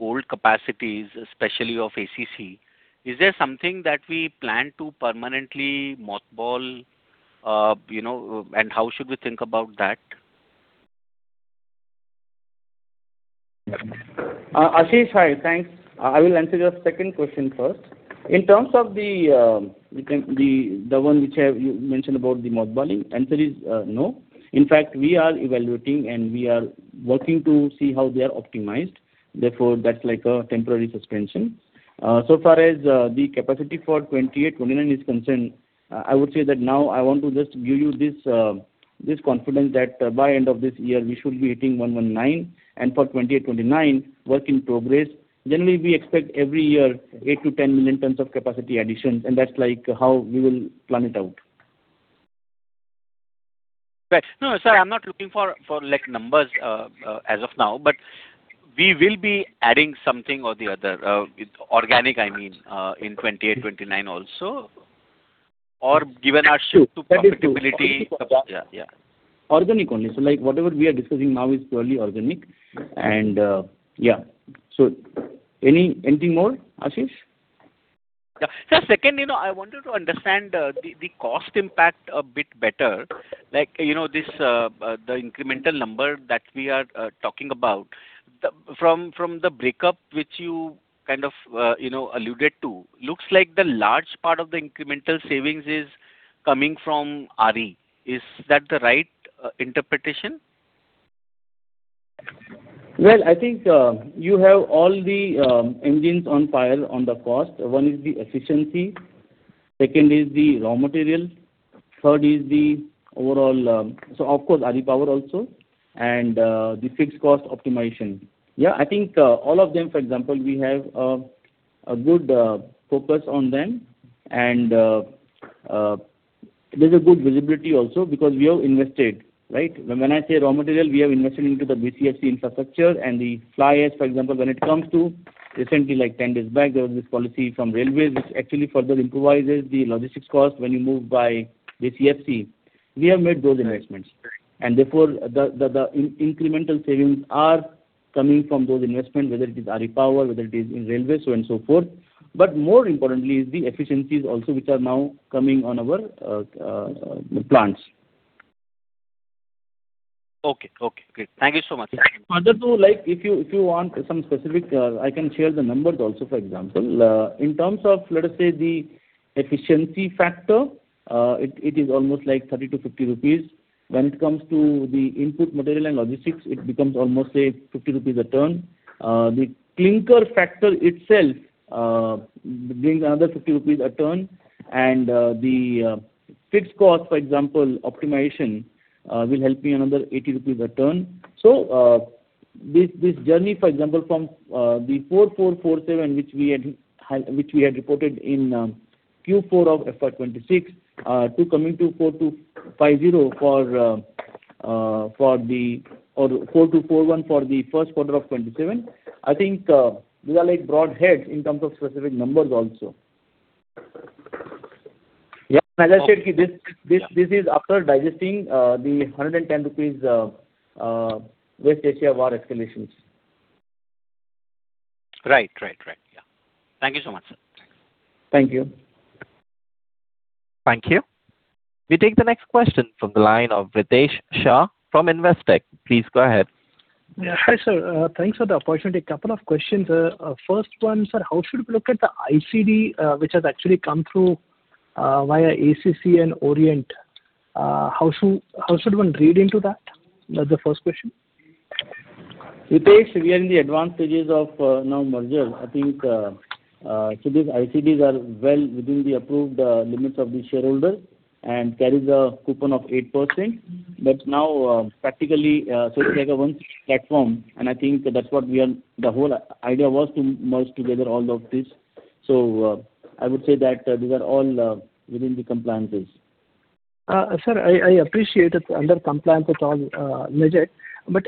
old capacities, especially of ACC, is there something that we plan to permanently mothball? How should we think about that? Ashish, hi. Thanks. I will answer your second question first. In terms of the one which you mentioned about the mothballing. Answer is no. In fact, we are evaluating and we are working to see how they are optimized, therefore, that's like a temporary suspension. Far as the capacity for 2028/2029 is concerned, I would say that now I want to just give you this confidence that by end of this year we should be hitting 119 million tons, and for 2028, 2029, work in progress. Generally, we expect every year, 8 to 10 million tons of capacity additions, That's how we will plan it out. Right. No, sir, I'm not looking for numbers as of now. We will be adding something or the other, organic, I mean, in 2028/2029 also, or given our shift to profitability. That is true. Yeah. Organic only. Whatever we are discussing now is purely organic. Yeah. Anything more, Ashish? Yeah. Sir, second, I wanted to understand the cost impact a bit better. This incremental number that we are talking about. From the breakup which you kind of alluded to, looks like the large part of the incremental savings is coming from RE. Is that the right interpretation? Well, I think you have all the engines on fire on the cost. One is the efficiency, second is the raw material, third is the RE power also, and the fixed cost optimization. I think all of them, for example, we have a good focus on them and there is a good visibility also because we have invested, right? When I say raw material, we have invested into the BCFC infrastructure and the fly ash, for example, when it comes to recently, like 10 days back, there was this policy from railways which actually further improvises the logistics cost when you move by the DCFC. We have made those investments. Therefore, the incremental savings are coming from those investment, whether it is RE power, whether it is in railway, so on and so forth. More importantly is the efficiencies also, which are now coming on our plants. Okay. Great. Thank you so much. Further to like, if you want some specific, I can share the numbers also, for example. In terms of, let us say, the efficiency factor, it is almost like 30-50 rupees. When it comes to the input material and logistics, it becomes almost, say, 50 rupees a ton. The clinker factor itself brings another 50 rupees a ton. The fixed cost, for example, optimization, will help me another 80 rupees a ton. This journey, for example, from the 4,447 which we had reported in Q4 of FY 2026, to coming to 4,250 or 4,241 for the first quarter of 2027, I think these are like broad heads in terms of specific numbers also. Okay. Yeah. As I said, this is after digesting the 110 rupees West Asia war escalations. Right. Yeah. Thank you so much, sir. Thanks. Thank you. Thank you. We take the next question from the line of Ritesh Shah from Investec. Please go ahead. Yeah. Hi, sir. Thanks for the opportunity. A couple of questions. First one, sir, how should we look at the ICD, which has actually come through via ACC and Orient? How should one read into that? That's the first question. Ritesh, we are in the advanced stages of now merger. I think these ICDs are well within the approved limits of the shareholder and carries a coupon of 8%. Now, practically, it's like a one platform, and I think that's what the whole idea was to merge together all of this. I would say that these are all within the compliances. Sir, I appreciate it's under compliance. It's all legit.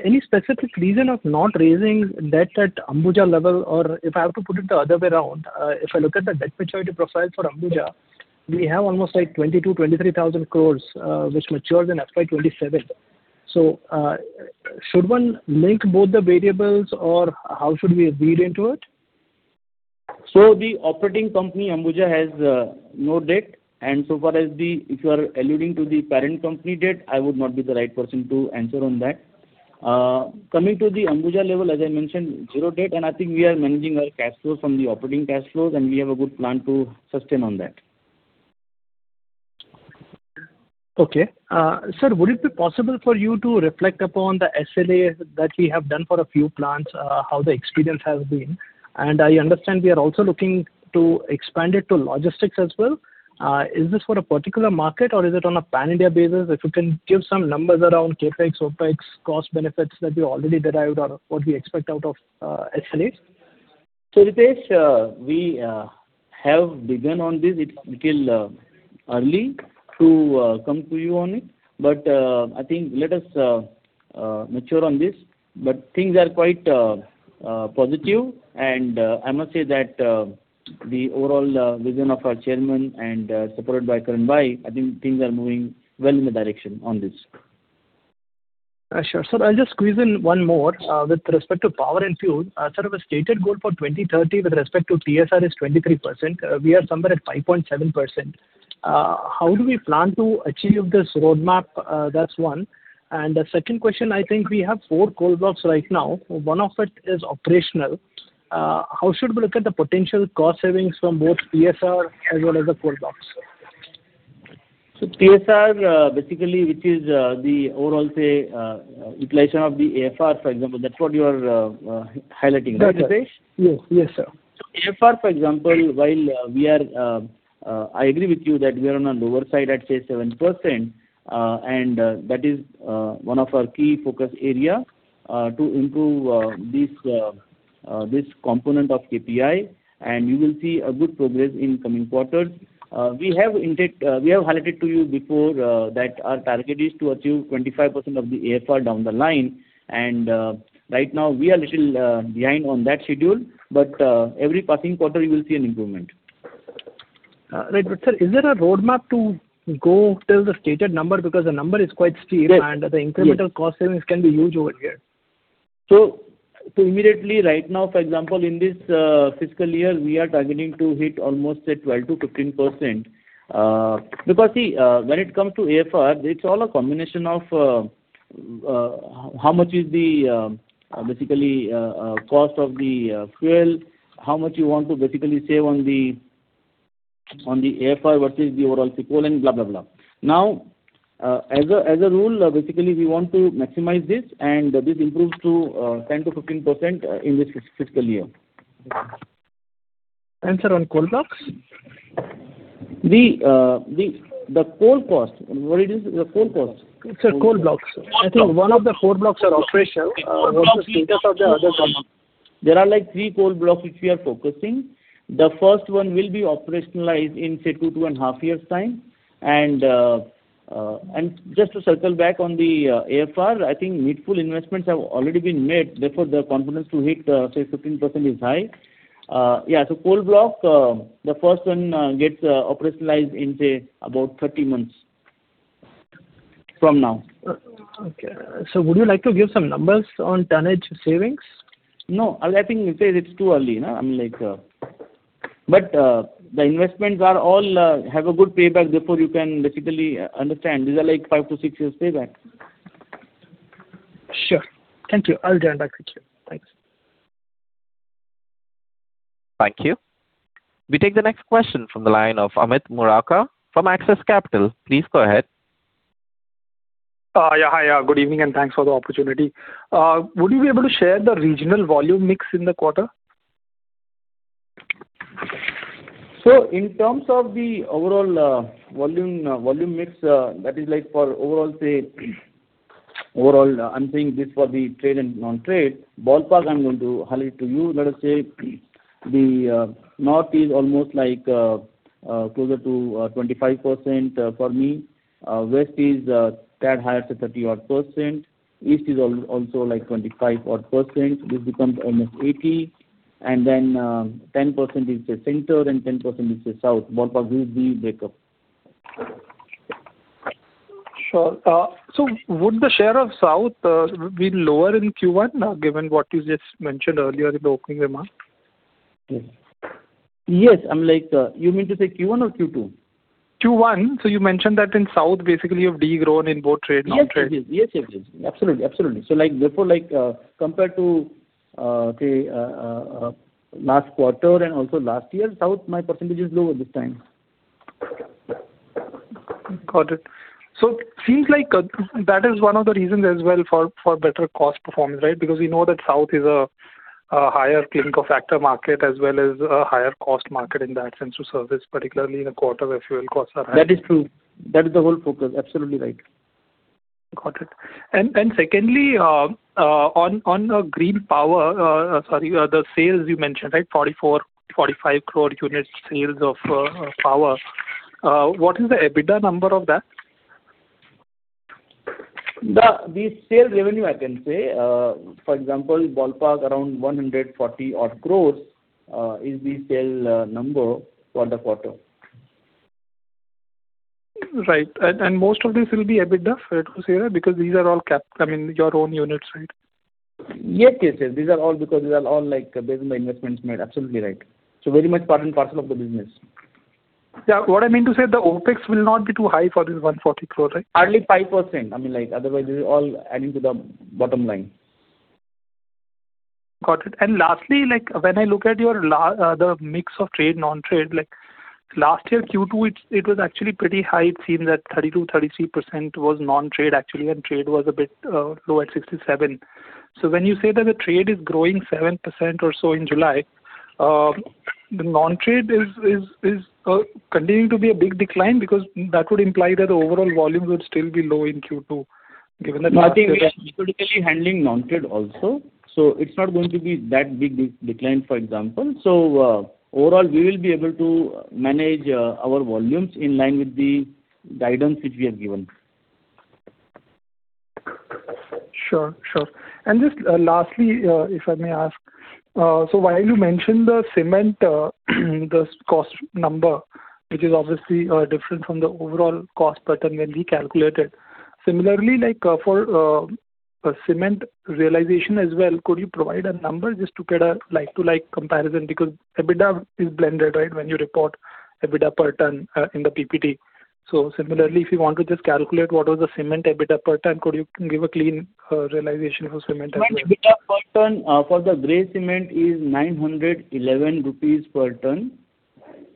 Any specific reason of not raising debt at Ambuja level? Or if I have to put it the other way around, if I look at the debt maturity profile for Ambuja, we have almost like 22,000-23,000 crore which matures in FY 2027. Should one link both the variables or how should we read into it? The operating company, Ambuja, has no debt and so far as if you are alluding to the parent company debt, I would not be the right person to answer on that. Coming to the Ambuja level, as I mentioned, zero debt and I think we are managing our cash flows from the operating cash flows and we have a good plan to sustain on that. Okay. Sir, would it be possible for you to reflect upon the SLAs that we have done for a few plants, how the experience has been? I understand we are also looking to expand it to logistics as well. Is this for a particular market or is it on a pan-India basis? If you can give some numbers around CapEx, OpEx, cost benefits that you already derived or what we expect out of SLAs? Ritesh, we have begun on this. It's little early to come to you on it. I think let us mature on this. Things are quite positive and I must say that the overall vision of our chairman and supported by Karan Bhai, I think things are moving well in the direction on this. Sure. Sir, I'll just squeeze in one more. With respect to power and fuel, sir, our stated goal for 2030 with respect to TSR is 23%. We are somewhere at 5.7%. How do we plan to achieve this roadmap? That's one. The second question, I think we have four coal blocks right now. One of it is operational. How should we look at the potential cost savings from both TSR as well as the coal blocks? TSR, basically, which is the overall utilization of the AFR, for example. That's what you are highlighting, right, Ritesh? That's it. Yes, sir. AFR, for example, I agree with you that we are on a lower side at 7%, and that is one of our key focus area, to improve this component of KPI, and you will see a good progress in coming quarters. We have highlighted to you before that our target is to achieve 25% of the AFR down the line, and right now we are little behind on that schedule, but every passing quarter you will see an improvement. Right. Sir, is there a roadmap to go till the stated number? Because the number is quite steep and the incremental cost savings can be huge over here. Immediately right now, for example, in this fiscal year, we are targeting to hit almost 12%-15%. Because see, when it comes to AFR, it's all a combination of how much is basically cost of the fuel, how much you want to basically save on the AFR versus the overall CCOL and blah, blah. As a rule, basically we want to maximize this, and this improves to 10%-15% in this fiscal year. Sir, on coal blocks? The coal cost. What it is? The coal cost. Sir, coal blocks. I think one of the coal blocks are operational. What's the status of the other ones? There are three coal blocks which we are focusing. The first one will be operationalized in two to two and half years' time. Just to circle back on the AFR, I think needful investments have already been made, therefore, the confidence to hit 15% is high. Coal block, the first one gets operationalized in about 30 months from now. Okay. Would you like to give some numbers on tonnage savings? No. I think it's too early. The investments all have a good payback, therefore you can basically understand. These are five to six years payback. Sure. Thank you. I'll join back with you. Thanks. Thank you. We take the next question from the line of Amit Murarka from Axis Capital. Please go ahead. Hi. Good evening, thanks for the opportunity. Would you be able to share the regional volume mix in the quarter? In terms of the overall volume mix, that is for overall, I'm saying this for the trade and non-trade, ballpark I'm going to highlight to you. Let us say, the North is almost closer to 25% for me. West is a tad higher to 30%. East is also like 25%, which becomes almost 80%. Then 10% is the Center, 10% is the South. Ballpark this is the breakup. Sure. Would the share of South be lower in Q1, given what you just mentioned earlier in the opening remark? Yes. You mean to say Q1 or Q2? Q1. You mentioned that in South basically you have de-grown in both trade, non-trade. Yes. Absolutely. Therefore, compared to last quarter and also last year, South my percentage is lower this time. Got it. Seems like that is one of the reasons as well for better cost performance, right? We know that South is a higher clinker factor market as well as a higher cost market in that sense to service, particularly in a quarter where fuel costs are high. That is true. That is the whole focus. Absolutely right. Got it. Secondly, on green power, sorry, the sales you mentioned, right, 44, 45 crore units sales of power. What is the EBITDA number of that? The sales revenue, I can say. For example, ballpark around 140 crore is the sale number for the quarter. Right. Most of this will be EBITDA, fair to say, because these are all your own units, right? Yes. These are all because these are all based on my investments made. Absolutely right. Very much part and parcel of the business. What I mean to say, the OpEx will not be too high for this 140 crore, right? Hardly 5%. Otherwise, this is all adding to the bottom line. Got it. Lastly, when I look at the mix of trade, non-trade, last year Q2, it was actually pretty high. It seemed that 32%, 33% was non-trade actually, and trade was a bit low at 67%. When you say that the trade is growing 7% or so in July, the non-trade is continuing to be a big decline because that would imply that the overall volume would still be low in Q2 given that. I think we are basically handling non-trade also, it's not going to be that big decline, for example. Overall, we will be able to manage our volumes in line with the guidance which we have given. Sure. Just lastly, if I may ask, while you mentioned the cement cost number, which is obviously different from the overall cost pattern when we calculate it. Similarly, for cement realization as well, could you provide a number just to get a like-to-like comparison? EBITDA is blended, right, when you report EBITDA per ton in the PPT. Similarly, if you want to just calculate what was the cement EBITDA per ton, could you give a clean realization for cement as well? Cement EBITDA per ton for the grey cement is 911 rupees per ton.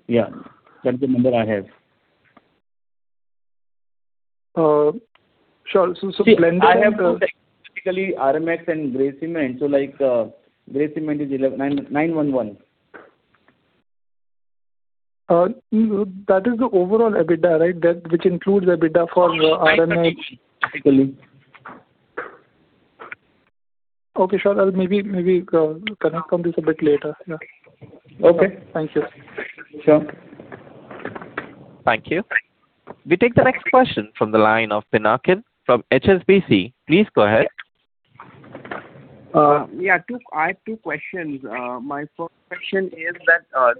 That's the number I have. Sure. Blended and. I have two technically RMX and grey cement. Grey cement is INR 911. That is the overall EBITDA, right? Which includes EBITDA for RMX. Technically. Okay, sure. Maybe we can come to this a bit later. Yeah. Okay. Thank you. Sure. Thank you. We take the next question from the line of Pinakin from HSBC. Please go ahead. Yeah. I have two questions. My first question is that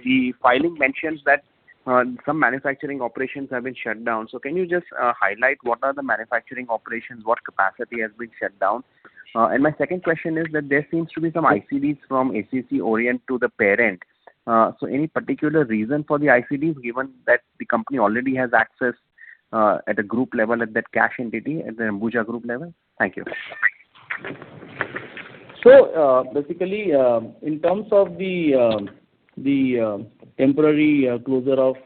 the filing mentions that some manufacturing operations have been shut down. Can you just highlight what are the manufacturing operations, what capacity has been shut down? My second question is that there seems to be some ICDs from ACC Orient to the parent. Any particular reason for the ICDs, given that the company already has access at a group level at that cash entity at the Ambuja Group level? Thank you. Basically, in terms of the temporary closure of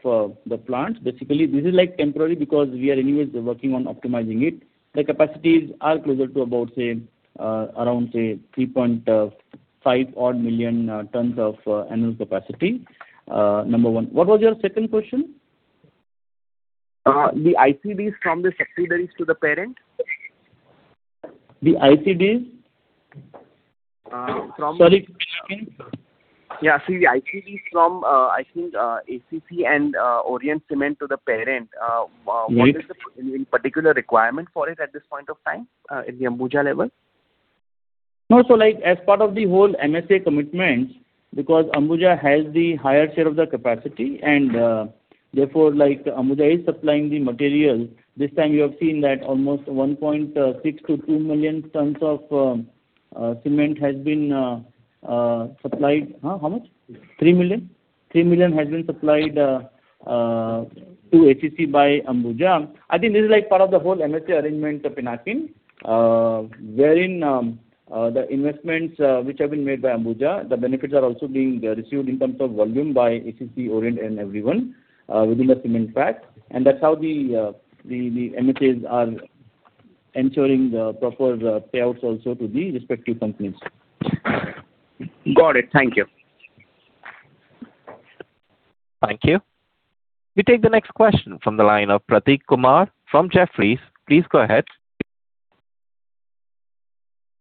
the plants, basically this is temporary because we are anyway working on optimizing it. The capacities are closer to around 3.5 million tons of annual capacity. Number one. What was your second question? The ICDs from the subsidiaries to the parent. The ICDs? Sorry, could you repeat? Yeah. See, the ICDs from, I think, ACC and Orient Cement to the parent. Yes. What is the particular requirement for it at this point of time at the Ambuja level? As part of the whole MSA commitments, because Ambuja has the higher share of the capacity and therefore, Ambuja is supplying the material. This time you have seen that almost 1.6 million tons to 2 million tons of cement has been supplied. How much? 3 million tons? 3 million tons has been supplied to ACC by Ambuja. I think this is part of the whole MSA arrangement, Pinakin, wherein the investments which have been made by Ambuja, the benefits are also being received in terms of volume by ACC, Orient, and everyone within the cement pack. That's how the MSAs are ensuring the proper payouts also to the respective companies. Got it. Thank you. Thank you. We take the next question from the line of Prateek Kumar from Jefferies. Please go ahead.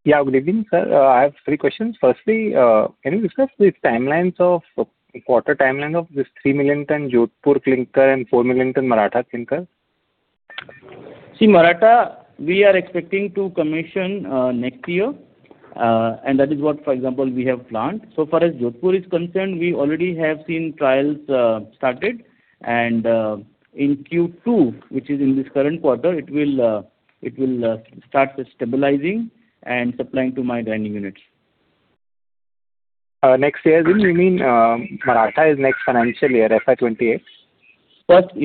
Good evening, sir. I have three questions. Firstly, can you discuss the timelines of, quarter timeline of this 3 million ton Jodhpur clinker and 4 million ton Maratha clinker? See, Maratha, we are expecting to commission next year. That is what, for example, we have planned. So far as Jodhpur is concerned, we already have seen trials started, and in Q2, which is in this current quarter, it will start stabilizing and supplying to my grinding units. Next year, didn't you mean Maratha is next financial year, FY 2028?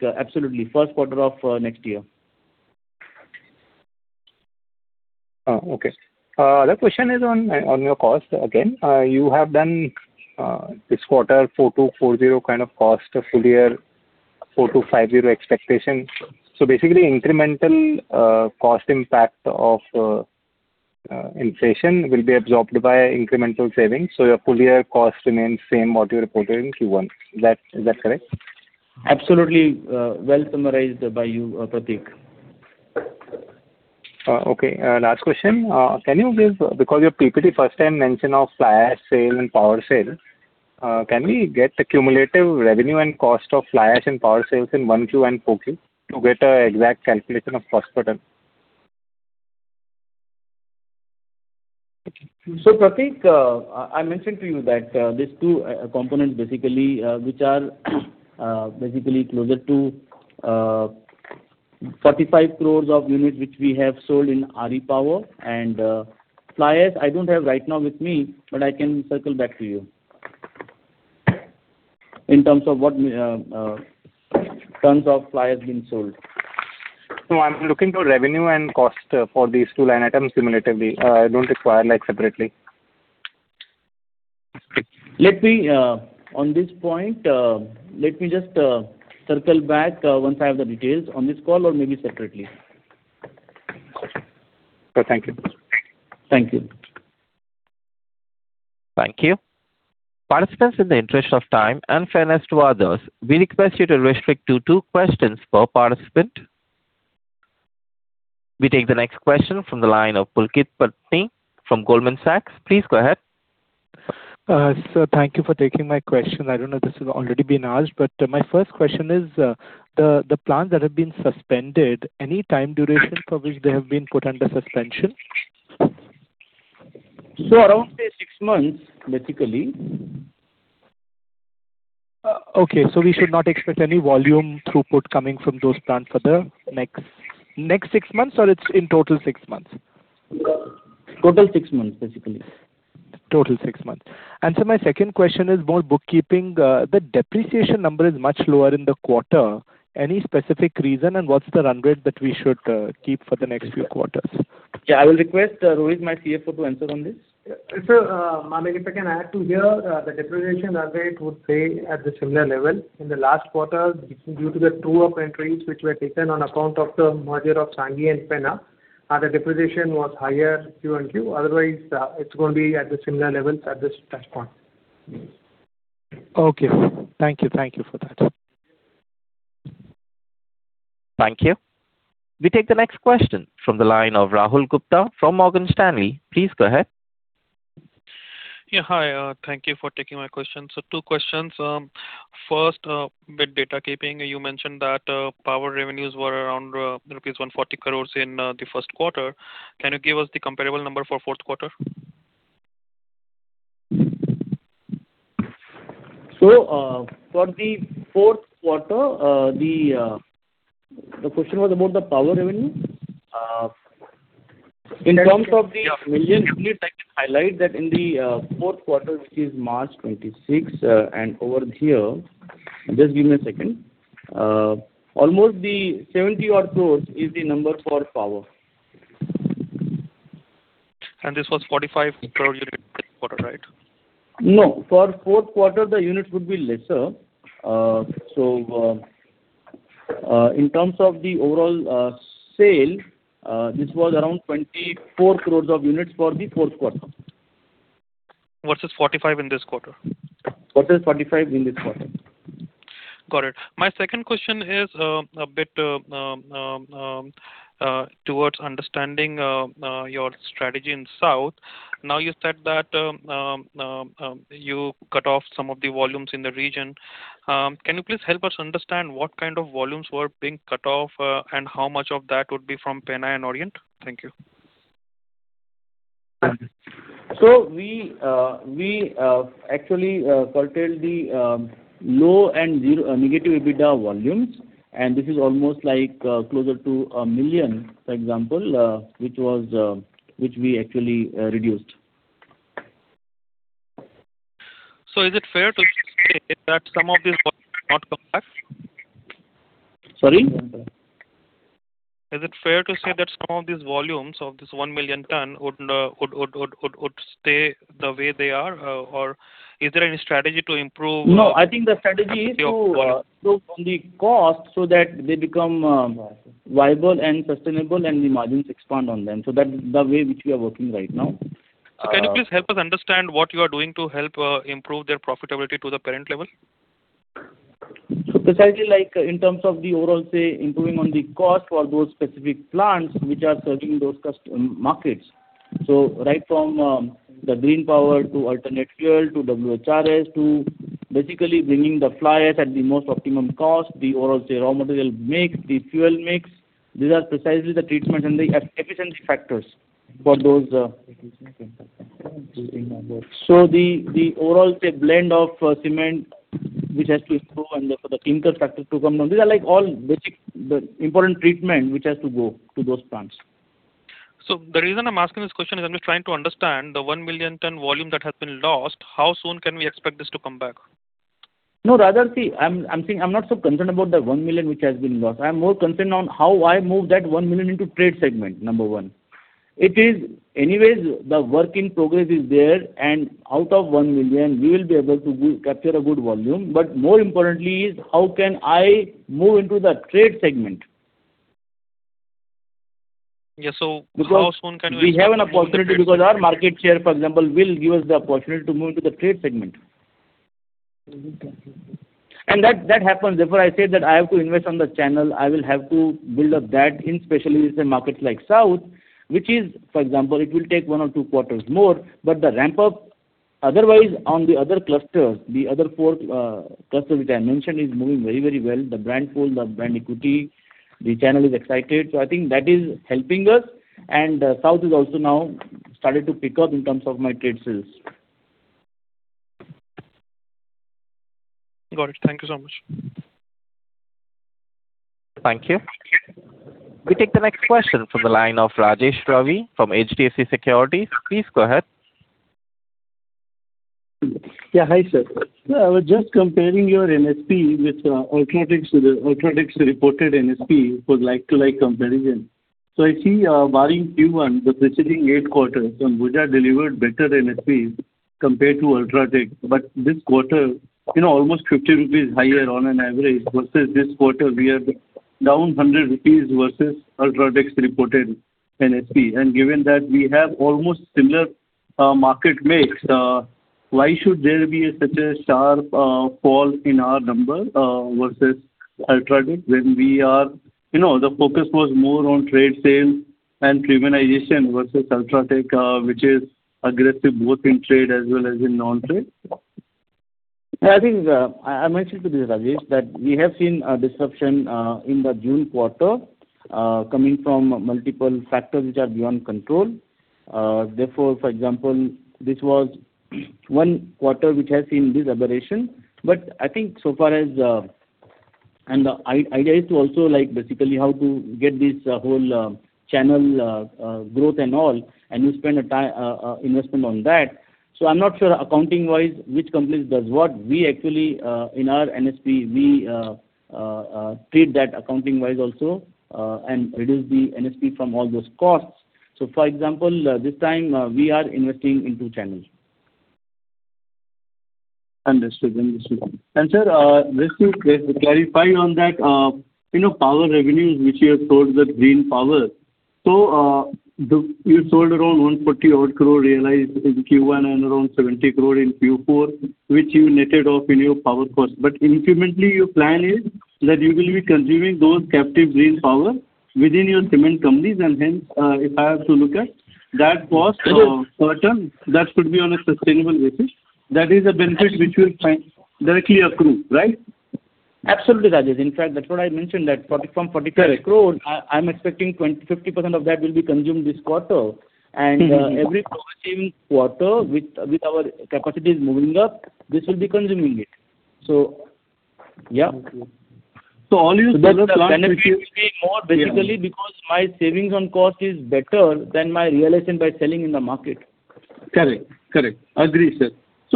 Yeah, absolutely. First quarter of next year. Okay. Other question is on your cost again. You have done this quarter 4,240 kind of cost, a full year 4,250 expectation. Basically, incremental cost impact of inflation will be absorbed by incremental savings. Your full year cost remains same what you reported in Q1. Is that correct? Absolutely. Well summarized by you, Prateek. Last question. Can you give, because your PPT first time mention of fly ash sale and power sale, can we get the cumulative revenue and cost of fly ash and power sales in 1Q and 4Q to get an exact calculation of cost per ton? Prateek, I mentioned to you that these two components basically, which are basically closer to 45 crore units, which we have sold in RE Power. Fly ash, I don't have right now with me, but I can circle back to you in terms of what tons of fly ash been sold. No, I'm looking for revenue and cost for these two line items cumulatively. I don't require separately. On this point, let me just circle back once I have the details on this call or maybe separately. Sure. Thank you. Thank you. Thank you. Participants, in the interest of time and fairness to others, we request you to restrict to two questions per participant. We take the next question from the line of Pulkit Patni from Goldman Sachs. Please go ahead. Sir, thank you for taking my question. I don't know if this has already been asked, but my first question is, the plants that have been suspended, any time duration for which they have been put under suspension? Around, say, six months, basically. Okay, we should not expect any volume throughput coming from those plants for the next six months, or it's in total six months? Total six months, basically. Total six months. My second question is more bookkeeping. The depreciation number is much lower in the quarter. Any specific reason, and what's the run rate that we should keep for the next few quarters? I will request Rohit, my CFO, to answer on this. Sir, if I can add to here, the depreciation run rate would stay at the similar level. In the last quarter, due to the true-up entries which were taken on account of the merger of Sanghi and Penna, the depreciation was higher Q on Q. Otherwise, it's going to be at the similar levels at this point. Thank you for that. Thank you. We take the next question from the line of Rahul Gupta from Morgan Stanley. Please go ahead. Yeah, hi. Thank you for taking my questions. Two questions. First, bit data keeping, you mentioned that power revenues were around rupees 140 crore in the first quarter. Can you give us the comparable number for fourth quarter? For the fourth quarter, the question was about the power revenue? In terms of the million units, I can highlight that in the fourth quarter, which is March 26. Over here, almost the 70 crores is the number for power. This was 45 crore unit quarter, right? No. For fourth quarter, the units would be lesser. In terms of the overall sale, this was around 24 crore of units for the fourth quarter. Versus 45 crore in this quarter. Versus 45 crore in this quarter. Got it. My second question is a bit towards understanding your strategy in South. You said that you cut off some of the volumes in the region. Can you please help us understand what kind of volumes were being cut off and how much of that would be from Penna and Orient? Thank you. We actually curtailed the low and negative EBITDA volumes, and this is almost closer to 1 million ton, for example, which we actually reduced. Is it fair to say that some of these volumes not come back? Sorry? Is it fair to say that some of these volumes, of this 1 million ton, would stay the way they are? Or is there any strategy to improve? No, I think the strategy is to improve on the cost so that they become viable and sustainable and the margins expand on them. That's the way which we are working right now. Can you please help us understand what you are doing to help improve their profitability to the parent level? Precisely, in terms of the overall, say, improving on the cost for those specific plants which are serving those markets. Right from the green power to alternate fuel to WHRS to basically bringing the fly ash at the most optimum cost, the overall, say, raw material mix, the fuel mix, these are precisely the treatments and the efficiency factors for those. The overall, say, blend of cement, which has to improve and for the clinker factor to come down, these are all basic, important treatment which has to go to those plants. The reason I'm asking this question is I'm just trying to understand the 1 million ton volume that has been lost, how soon can we expect this to come back? No, rather, see, I'm not so concerned about the 1 million ton which has been lost. I'm more concerned on how I move that 1 million ton into trade segment, number one. Anyways, the work in progress is there, out of 1 million ton, we will be able to capture a good volume. More importantly is how can I move into the trade segment. Yeah, how soon can we. We have an opportunity because our market share, for example, will give us the opportunity to move into the trade segment. That happens. Therefore, I said that I have to invest on the channel. I will have to build up that, especially with the markets like South, which is, for example, it will take one or two quarters more, but the ramp up, otherwise, on the other clusters, the other four clusters which I mentioned is moving very well. The brand pull, the brand equity, the channel is excited. I think that is helping us. South is also now starting to pick up in terms of my trade sales. Got it. Thank you so much. Thank you. We take the next question from the line of Rajesh Ravi from HDFC Securities. Please go ahead. Yeah, hi, sir. I was just comparing your NSP with UltraTech Cement's reported NSP for like-to-like comparison. I see barring Q1, the preceding eight quarters from Ambuja delivered better NSPs compared to UltraTech Cement. This quarter, almost 50 rupees higher on an average versus this quarter we are down 100 rupees versus UltraTech Cement's reported NSP. Given that we have almost similar market mix, why should there be such a sharp fall in our number versus UltraTech Cement when the focus was more on trade sales and premiumization versus UltraTech Cement, which is aggressive both in trade as well as in non-trade? I think I mentioned to this, Rajesh, that we have seen a disruption in the June quarter, coming from multiple factors which are beyond control. For example, this was one quarter which has seen this aberration. I think so far as the idea is to also basically how to get this whole channel growth and all, and you spend investment on that. I'm not sure accounting-wise which companies does what. We actually, in our NSP, we treat that accounting-wise also, and reduce the NSP from all those costs. For example, this time we are investing into channels. Understood. Sir, just to clarify on that, power revenues which you have sold, the green power. You sold around 140 crore realized in Q1 and around 70 crore in Q4, which you netted off in your power cost. Incrementally, your plan is that you will be consuming those captive green power within your cement companies, and hence if I have to look at that cost per ton, that could be on a sustainable basis. That is a benefit which will directly accrue, right? Absolutely, Rajesh. In fact, that's what I mentioned that from 45 crore. Correct. I'm expecting 50% of that will be consumed this quarter. Every quarter with our capacities moving up, this will be consuming it. Yeah. Okay. All your solar power plants. The benefit will be more basically because my savings on cost is better than my realization by selling in the market. Correct. Agree, sir.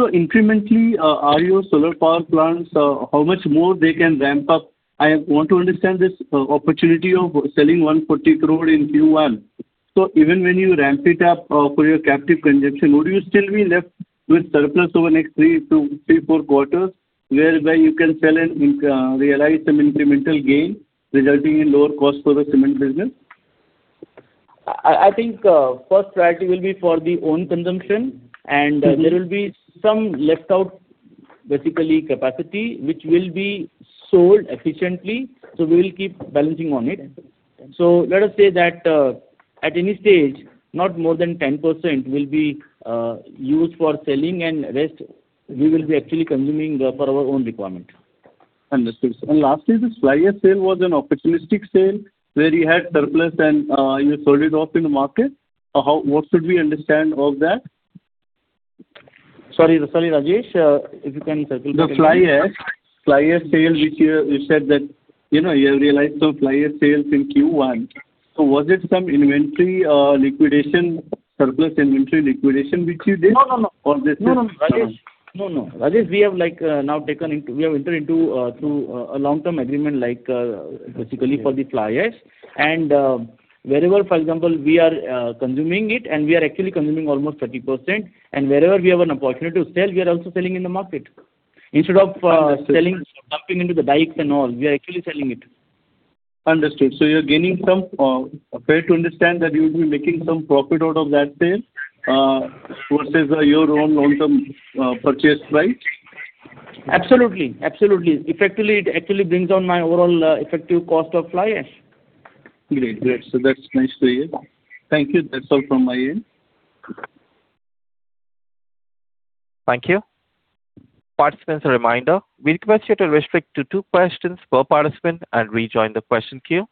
Incrementally, are your solar power plants, how much more they can ramp up? I want to understand this opportunity of selling 140 crore in Q1. Even when you ramp it up for your captive consumption, would you still be left with surplus over next three to four quarters, whereby you can sell and realize some incremental gain resulting in lower cost for the cement business? I think, first priority will be for the own consumption, and there will be some left out basically capacity, which will be sold efficiently. We'll keep balancing on it. Understood. Let us say that, at any stage, not more than 10% will be used for selling, and rest we will be actually consuming for our own requirement. Understood, sir. Lastly, this fly ash sale was an opportunistic sale where you had surplus and you sold it off in the market. What should we understand of that? Sorry, Rajesh. If you can circle back again. The fly ash sale, which you said that you realized some fly ash sales in Q1. Was it some inventory liquidation, surplus inventory liquidation, which you did on this is. No, Rajesh. We have now entered into a long-term agreement basically for the fly ash. Wherever, for example, we are consuming it, and we are actually consuming almost 30%, and wherever we have an opportunity to sell, we are also selling in the market. Instead of selling, dumping into the dikes and all, we are actually selling it. Understood. You're gaining some, fair to understand, that you'll be making some profit out of that sale versus your own long-term purchase price? Absolutely. Effectively, it actually brings down my overall effective cost of fly ash. Great. That's nice to hear. Thank you. That's all from my end. Thank you. Participants, a reminder, we request you to restrict to two questions per participant and rejoin the question queue.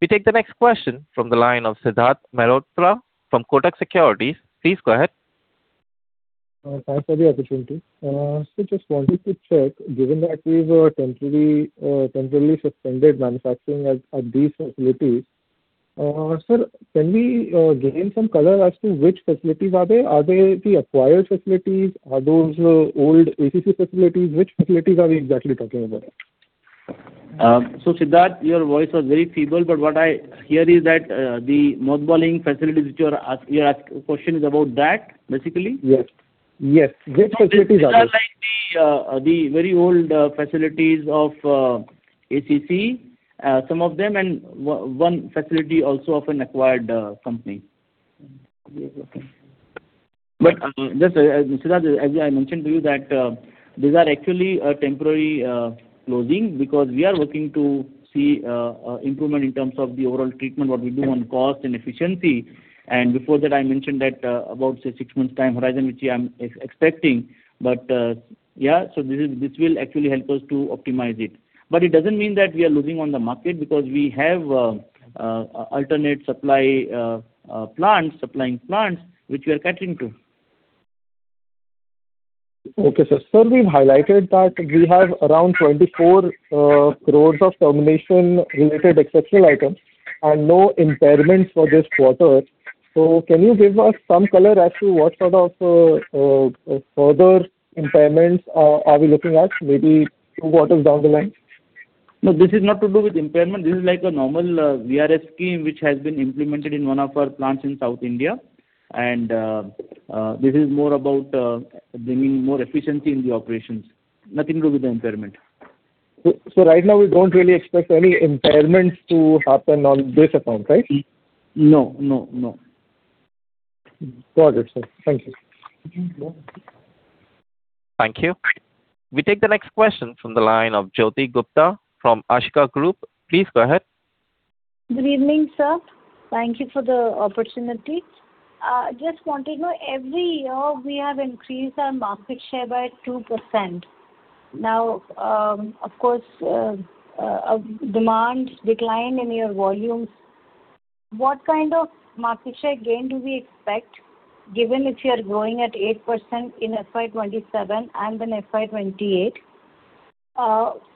We take the next question from the line of Siddharth Mehrotra from Kotak Securities. Please go ahead. Thanks for the opportunity. Sir, just wanted to check, given that you've temporarily suspended manufacturing at these facilities. Sir, can we gain some color as to which facilities are they? Are they the acquired facilities? Are those old ACC facilities? Which facilities are we exactly talking about? Siddharth, your voice was very feeble, but what I hear is that the Mothballing facilities, your question is about that, basically? Yes. Which facilities are those? These are the very old facilities of ACC, some of them, and one facility also of an acquired company. Okay. Just, Siddharth, as I mentioned to you that these are actually a temporary closing because we are looking to see improvement in terms of the overall treatment, what we do on cost and efficiency. Before that, I mentioned that about, say, six months time horizon, which I'm expecting. Yeah, this will actually help us to optimize it. It doesn't mean that we are losing on the market because we have alternate supplying plants which we are catering to. Okay, sir. Sir, we've highlighted that we have around 24 crore of termination related exceptional items and no impairments for this quarter. Can you give us some color as to what sort of further impairments are we looking at maybe two quarters down the line? No, this is not to do with impairment. This is like a normal VRS scheme which has been implemented in one of our plants in South India. This is more about bringing more efficiency in the operations. Nothing to do with the impairment. Right now, we don't really expect any impairments to happen on this account, right? No. Got it, sir. Thank you. Welcome. Thank you. We take the next question from the line of Jyoti Gupta from Ashika Group. Please go ahead. Good evening, sir. Thank you for the opportunity. Just wanted to know, every year we have increased our market share by 2%. Now, of course, a demand decline in your volumes. What kind of market share gain do we expect given if you are growing at 8% in FY 2027 and in FY 2028?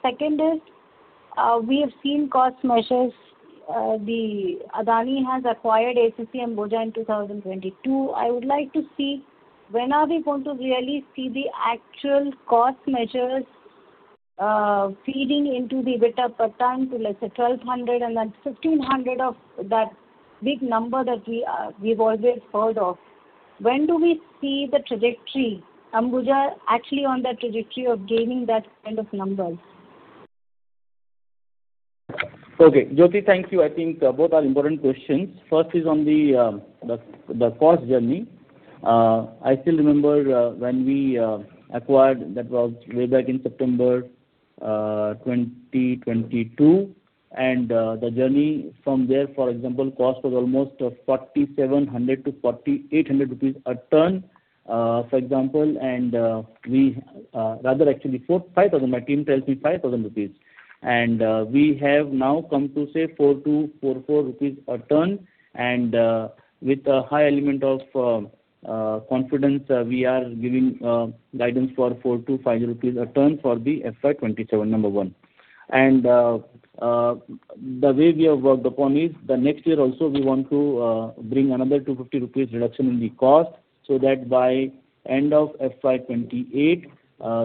Second is, we have seen cost measures. The Adani has acquired ACC Ambuja in 2022. I would like to see when are we going to really see the actual cost measures feeding into the EBITDA per ton to let's say 1,200 and then 1,500 of that big number that we've always heard of. When do we see Ambuja actually on that trajectory of gaining that kind of numbers? Okay. Jyoti, thank you. Both are important questions. First is on the cost journey. I still remember when we acquired, that was way back in September 2022. The journey from there, for example, cost was almost 4,700-4,800 rupees a ton. For example, actually, my team tells me 5,000 rupees. We have now come to say 4,241 rupees per ton, and with a high element of confidence, we are giving guidance for 4,250 rupees a ton for the FY 2027, number one. The way we have worked upon is the next year also, we want to bring another 250 rupees reduction in the cost so that by end of FY 2028,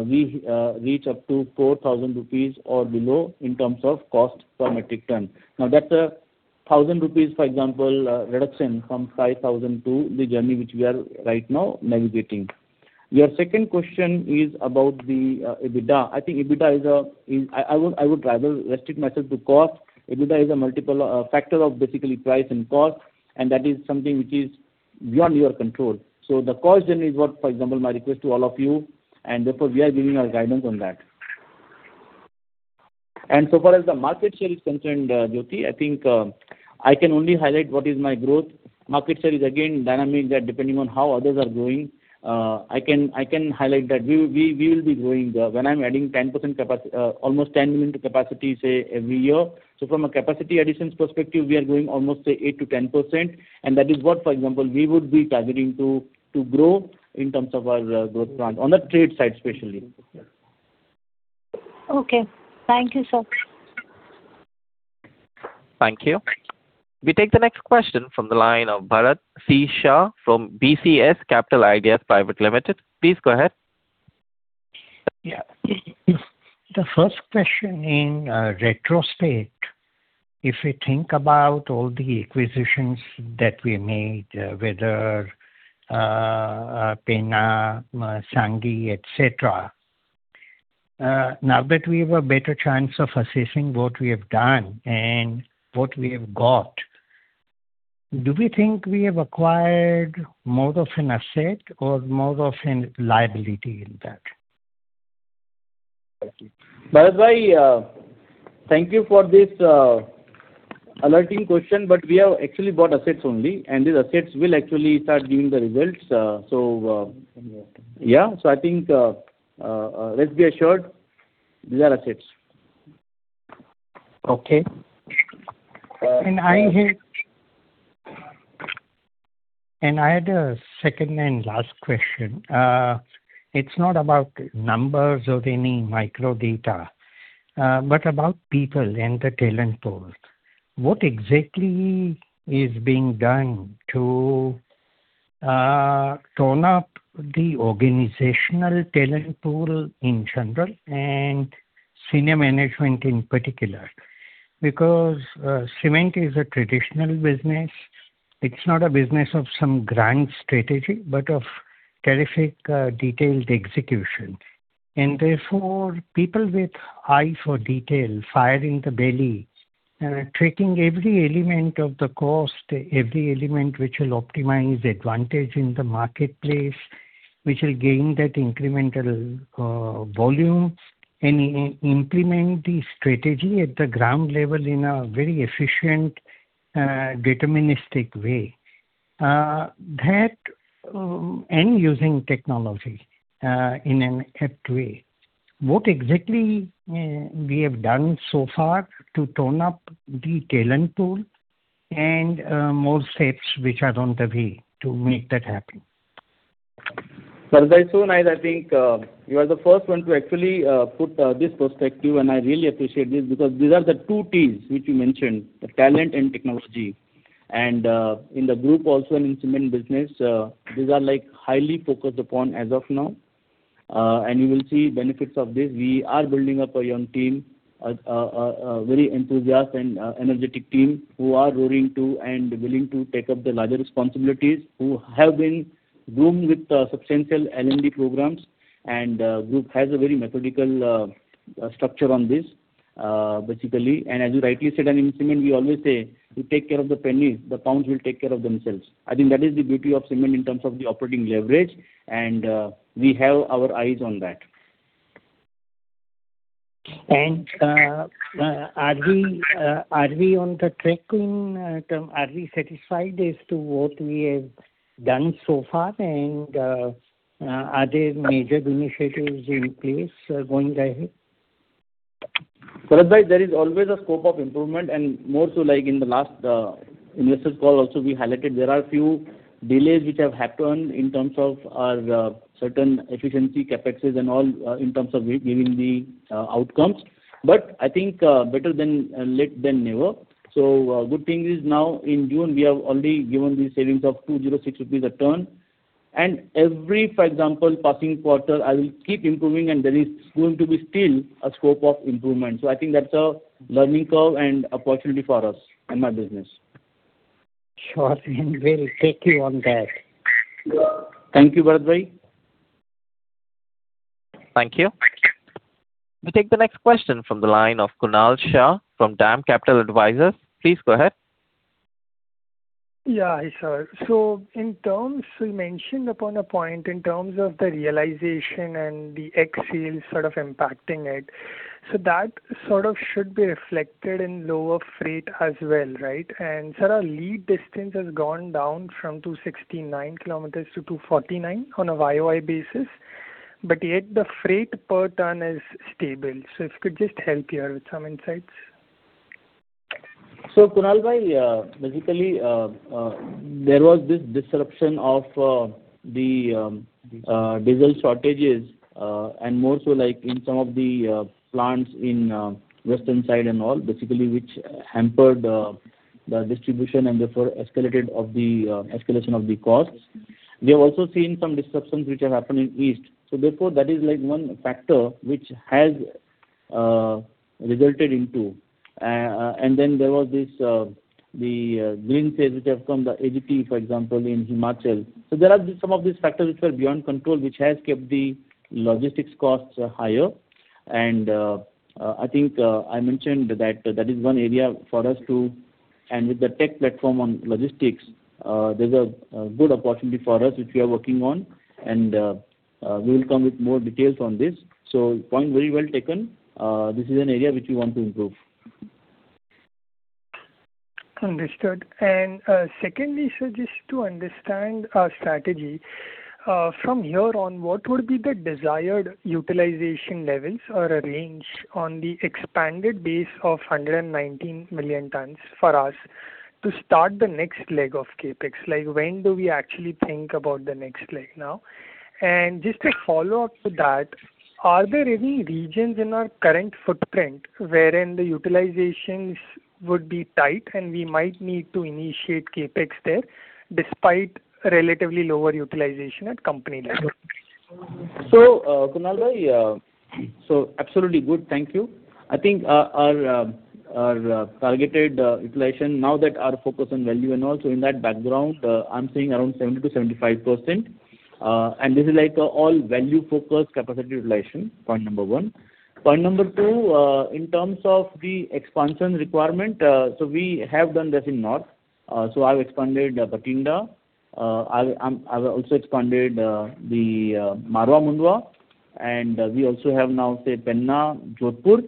we reach up to 4,000 rupees or below in terms of cost per metric ton. That's an 1,000 rupees, for example, reduction from 5,000 to the journey which we are right now navigating. Your second question is about the EBITDA. I think I would rather restrict myself to cost. EBITDA is a multiple factor of basically price and cost, and that is something which is beyond your control. The cost journey is what, for example, my request to all of you. Therefore, we are giving our guidance on that. So far as the market share is concerned, Jyoti, I can only highlight what is my growth. Market share is again dynamic that depending on how others are growing. I can highlight that we will be growing there. When I'm adding almost 10 million tons to capacity, say, every year. From a capacity additions perspective, we are growing almost, say, 8%-10%, and that is what, for example, we would be targeting to grow in terms of our growth plan on the trade side, especially. Okay. Thank you, sir. Thank you. We take the next question from the line of Bharat C. Shah from BCS Capital Ideas Private Limited. Please go ahead. Yeah. The first question in retrospect, if we think about all the acquisitions that we made, whether Penna, Sanghi, et cetera. Now that we have a better chance of assessing what we have done and what we have got, do we think we have acquired more of an asset or more of a liability in that? Thank you. Bharat, thank you for this alerting question. We have actually bought assets only, and these assets will actually start giving the results. Okay. Yeah. I think, let's be assured these are assets. Okay. I had a second and last question. It's not about numbers or any micro data, but about people and the talent pool. What exactly is being done to tone up the organizational talent pool in general and senior management in particular? Because cement is a traditional business. It's not a business of some grand strategy, but of terrific detailed execution. Therefore, people with eye for detail, fire in the belly, tracking every element of the cost, every element which will optimize advantage in the marketplace, which will gain that incremental volume and implement the strategy at the ground level in a very efficient, deterministic way and using technology in an apt way. What exactly we have done so far to tone up the talent pool and more steps which are on the way to make that happen? Bharat, so nice. I think you are the first one to actually put this perspective, and I really appreciate this because these are the two Ts which you mentioned, the talent and technology. In the group also in cement business, these are highly focused upon as of now, and you will see benefits of this. We are building up a young team, a very enthusiastic and energetic team who are raring to and willing to take up the larger responsibilities, who have been groomed with substantial L&D programs, and the group has a very methodical structure on this, basically. As you rightly said, in cement, we always say, "You take care of the pennies, the pounds will take care of themselves." I think that is the beauty of cement in terms of the operating leverage, and we have our eyes on that. Are we on the tracking term? Are we satisfied as to what we have done so far, and are there major initiatives in place going ahead? Bharat, there is always a scope of improvement and more so like in the last investor call also we highlighted there are few delays which have happened in terms of our certain efficiency CapEx and all in terms of giving the outcomes. I think better late than never. Good thing is now in June we have already given the savings of 206 rupees a ton and every, for example, passing quarter, I will keep improving and there is going to be still a scope of improvement. I think that's a learning curve and opportunity for us in my business. Sure. We'll take you on that. Thank you, Bharat. Thank you. We take the next question from the line of Kunal Shah from DAM Capital Advisors. Please go ahead. Yeah. Hi, sir. You mentioned upon a point in terms of the realization and the ex-sales sort of impacting it. That sort of should be reflected in lower freight as well, right? Sir, our lead distance has gone down from 269 km to 249 km on a YoY basis, but yet the freight per ton is stable. If you could just help here with some insights. Kunal, basically, there was this disruption of the diesel shortages, and more so like in some of the plants in Western side and all, which hampered the distribution and therefore, escalation of the costs. We have also seen some disruptions which have happened in East. Therefore, that is one factor which has resulted into. Then there was this, the green sales which have come, the AGP for example, in Himachal. There are some of these factors which are beyond control, which has kept the logistics costs higher. I think I mentioned that is one area for us to. With the tech platform on logistics, there's a good opportunity for us, which we are working on, and we will come with more details on this. Point very well taken. This is an area which we want to improve. Understood. Secondly, sir, just to understand our strategy. From here on, what would be the desired utilization levels or a range on the expanded base of 119 million tons for us to start the next leg of CapEx? When do we actually think about the next leg now? Just a follow-up to that, are there any regions in our current footprint wherein the utilizations would be tight, and we might need to initiate CapEx there despite relatively lower utilization at company level? Kunal, absolutely good, thank you. I think our targeted utilization now that our focus on value and all, in that background, I'm saying around 70%-75%. This is all value focused capacity utilization. Point number one. Point number two, in terms of the expansion requirement, we have done this in North. I've expanded Bathinda. I've also expanded the Marwar Mundwa, and we also have now, say, Penna Jodhpur.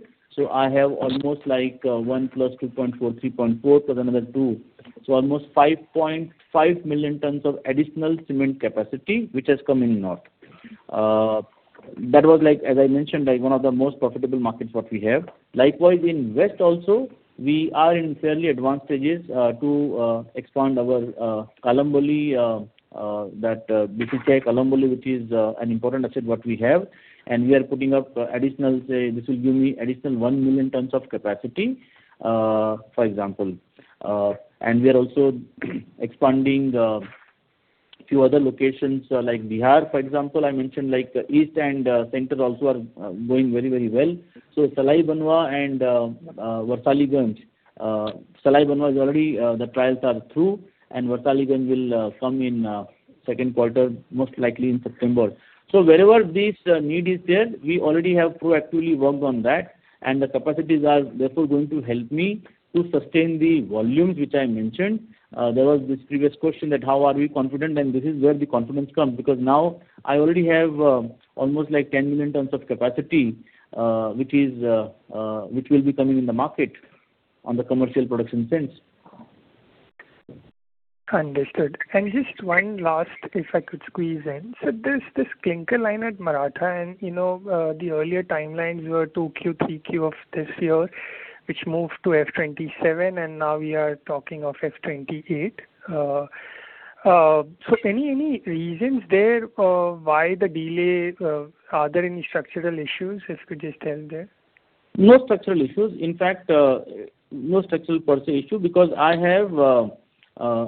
I have almost one plus 2.4, 3.4, plus another two. Almost 5.5 million tons of additional cement capacity, which has come in North. That was, as I mentioned, one of the most profitable markets that we have. Likewise, in West also, we are in fairly advanced stages to expand our Kalamboli. BCCL Kalamboli, which is an important asset that we have, and we are putting up additional, say, this will give me additional 1 million tons of capacity, for example. We are also expanding a few other locations like Bihar, for example. I mentioned East and Central also are going very well. Salai Banwa and Warsaliganj. Salai Banwa is already, the trials are through, and Warsaliganj will come in second quarter, most likely in September. Wherever this need is there, we already have proactively worked on that, and the capacities are therefore going to help me to sustain the volumes which I mentioned. There was this previous question that how are we confident? This is where the confidence comes, because now I already have almost 10 million tons of capacity, which will be coming in the market on the commercial production sense. Understood. Just one last, if I could squeeze in. There's this clinker line at Maratha and the earlier timelines were 2Q, 3Q of this year, which moved to FY 2027, and now we are talking of FY 2028. Any reasons there why the delay? Are there any structural issues? If you could just tell there. No structural issues. In fact, no structural per se issue because I have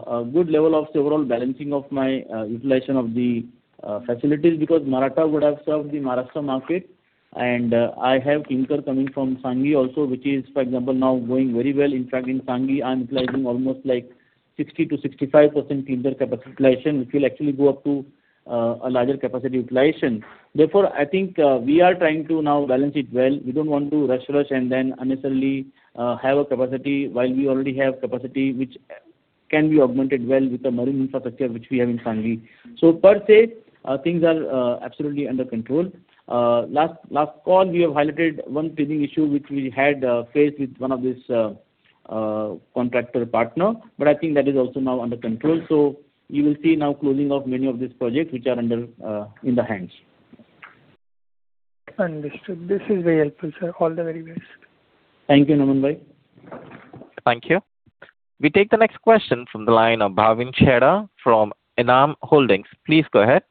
a good level of several balancing of my utilization of the facilities, because Maratha would have served the Maharashtra market. I have clinker coming from Sanghi also, which is, for example, now going very well. In fact, in Sanghi, I'm utilizing almost 60%-65% clinker capacity utilization, which will actually go up to a larger capacity utilization. Therefore, I think we are trying to now balance it well. We don't want to rush and then unnecessarily have a capacity while we already have capacity which can be augmented well with the marine infrastructure which we have in Sanghi. Per se, things are absolutely under control. Last call, we have highlighted one payment issue which we had faced with one of this contractor partner, I think that is also now under control. You will see now closing of many of these projects which are in the hands. Understood. This is very helpful, sir. All the very best. Thank you. Thank you. We take the next question from the line of Bhavin Chheda from Enam Holdings. Please go ahead.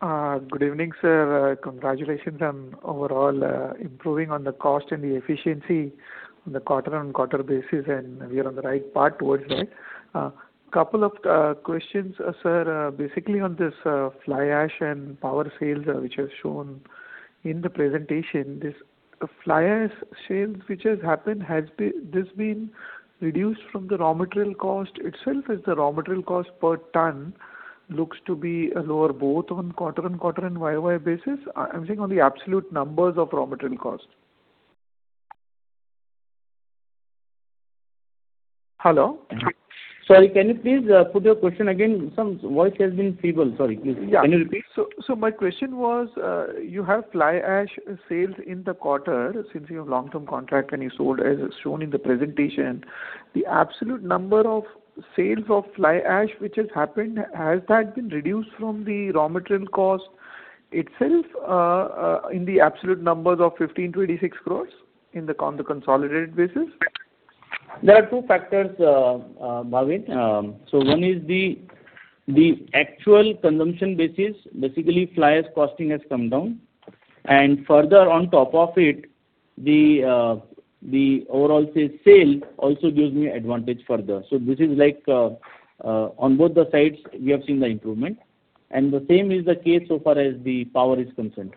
Good evening, sir. Congratulations on overall improving on the cost and the efficiency on the quarter-on-quarter basis. We are on the right path towards that. Couple of questions, sir, basically on this fly ash and power sales which are shown in the presentation. This fly ash sales which has happened, has this been reduced from the raw material cost itself? Has the raw material cost per ton looks to be lower both on quarter-on-quarter and YoY basis? I'm saying on the absolute numbers of raw material cost. Hello? Sorry, can you please put your question again? Some voice has been feeble. Sorry. Please. Yeah. Can you repeat? My question was, you have fly ash sales in the quarter since you have long-term contract and you sold, as shown in the presentation. The absolute number of sales of fly ash which has happened, has that been reduced from the raw material cost itself, in the absolute numbers of 15 crore to 86 crore in the consolidated basis? There are two factors, Bhavin. One is the actual consumption basis. Basically, fly ash costing has come down. Further on top of it, the overall, say, sale also gives me advantage further. This is like, on both the sides, we have seen the improvement. The same is the case so far as the power is concerned.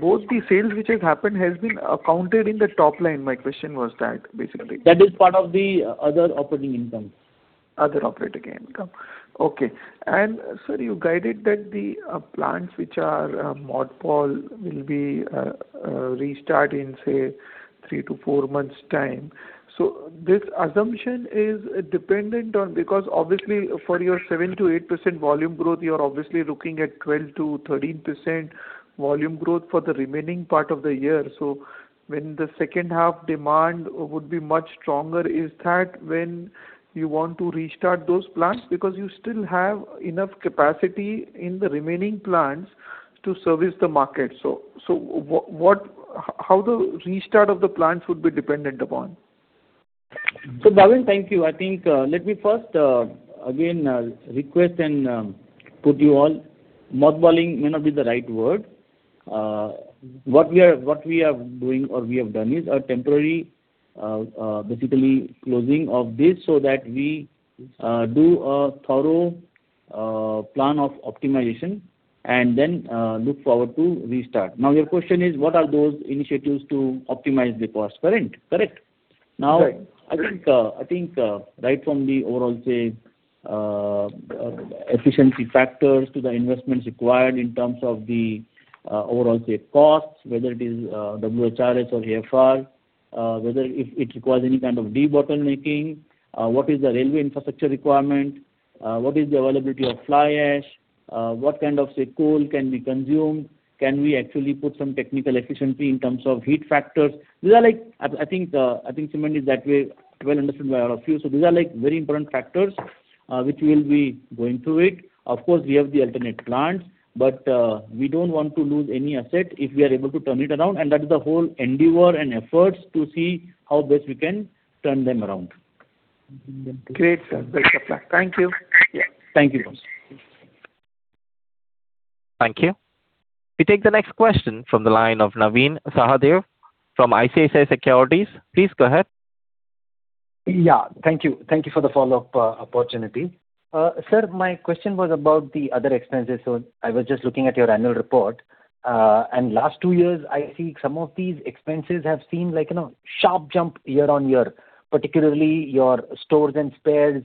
Both the sales which has happened has been accounted in the top line. My question was that basically. That is part of the other operating income. Other operating income. Okay. Sir, you guided that the plants which are mothballed will be restart in, say, three to four months time. This assumption is dependent on, because obviously for your 7%-8% volume growth, you're obviously looking at 12%-13% volume growth for the remaining part of the year. When the second half demand would be much stronger, is that when you want to restart those plants? Because you still have enough capacity in the remaining plants to service the market. How the restart of the plants would be dependent upon? Bhavin, thank you. I think let me first, again, request and put you all, mothballing may not be the right word. What we are doing or we have done is a temporary basically closing of this so that we do a thorough plan of optimization and then look forward to restart. Your question is what are those initiatives to optimize the cost, correct? Correct. I think right from the overall, say, efficiency factors to the investments required in terms of the overall, say, costs, whether it is WHRS or AFR, whether it requires any kind of debottlenecking, what is the railway infrastructure requirement, what is the availability of fly ash, what kind of, say, coal can be consumed, can we actually put some technical efficiency in terms of heat factors. These are like, I think cement is that way well understood by our few. These are very important factors, which we will be going through it. Of course, we have the alternate plants, but we don't want to lose any asset if we are able to turn it around, and that is the whole endeavor and efforts to see how best we can turn them around. Great, sir. Best of luck. Thank you. Thank you. Thank you. We take the next question from the line of Naveen Sahadev from ICICI Securities. Please go ahead. Yeah. Thank you. Thank you for the follow-up opportunity. Sir, my question was about the other expenses. I was just looking at your annual report. Last two years, I see some of these expenses have seen a sharp jump year-over-year, particularly your stores and spares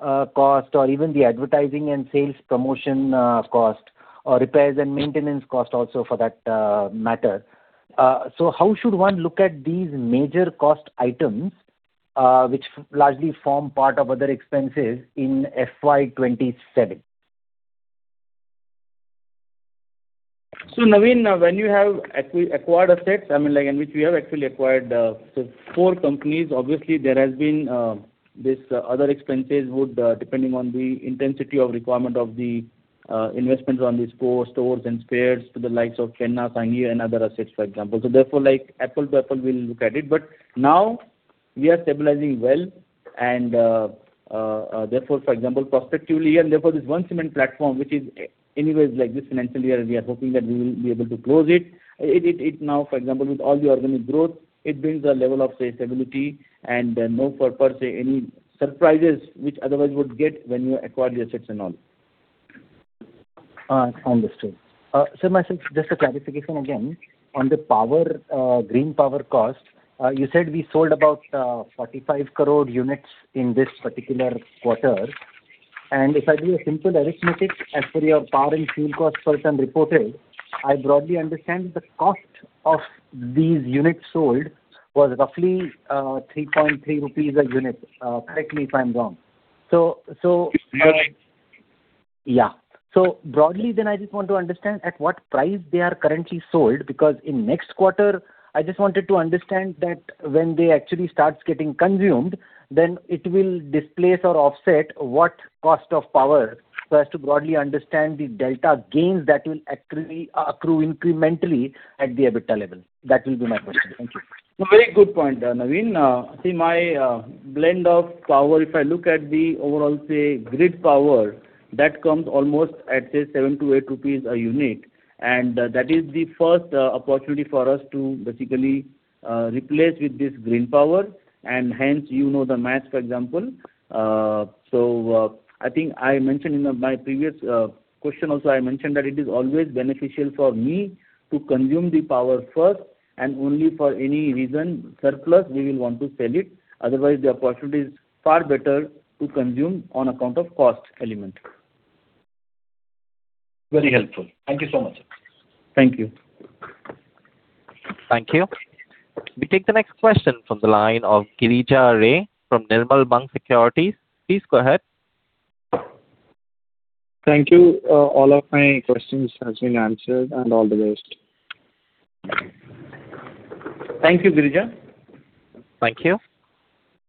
cost or even the advertising and sales promotion cost or repairs and maintenance cost also for that matter. How should one look at these major cost items, which largely form part of other expenses in FY 2027? Naveen, when you have acquired assets, I mean, like in which we have actually acquired the four companies, obviously there has been this other expenses would, depending on the intensity of requirement of the investments on these four stores and spares to the likes of Penna, Sanghi and other assets, for example. Therefore like apple to apple, we'll look at it. Now we are stabilizing well and, therefore, for example, prospectively, and therefore this one cement platform which is anyways like this financial year, we are hoping that we will be able to close it. It now, for example, with all the organic growth, it brings a level of, say, stability and no per se any surprises which otherwise would get when you acquire the assets and all. Understood. Sir, just a clarification again. On the green power cost, you said we sold about 45 crore units in this particular quarter. If I do a simple arithmetic as per your power and fuel cost percent reported, I broadly understand the cost of these units sold was roughly 3.3 rupees a unit. Correct me if I'm wrong. You're right. Broadly then, I just want to understand at what price they are currently sold, because in next quarter, I just wanted to understand that when they actually start getting consumed, then it will displace or offset what cost of power, so as to broadly understand the delta gains that will accrue incrementally at the EBITDA level. That will be my question. Thank you. A very good point, Naveen. My blend of power, if I look at the overall grid power, that comes almost at 7-8 rupees a unit, that is the first opportunity for us to basically replace with this green power, hence you know the math, for example. I think in my previous question also, I mentioned that it is always beneficial for me to consume the power first, only for any reason surplus, we will want to sell it. Otherwise, the opportunity is far better to consume on account of cost element. Very helpful. Thank you so much. Thank you. Thank you. We take the next question from the line of Girija Ray from Nirmal Bang Securities. Please go ahead. Thank you. All of my questions have been answered. All the best. Thank you, Girija. Thank you.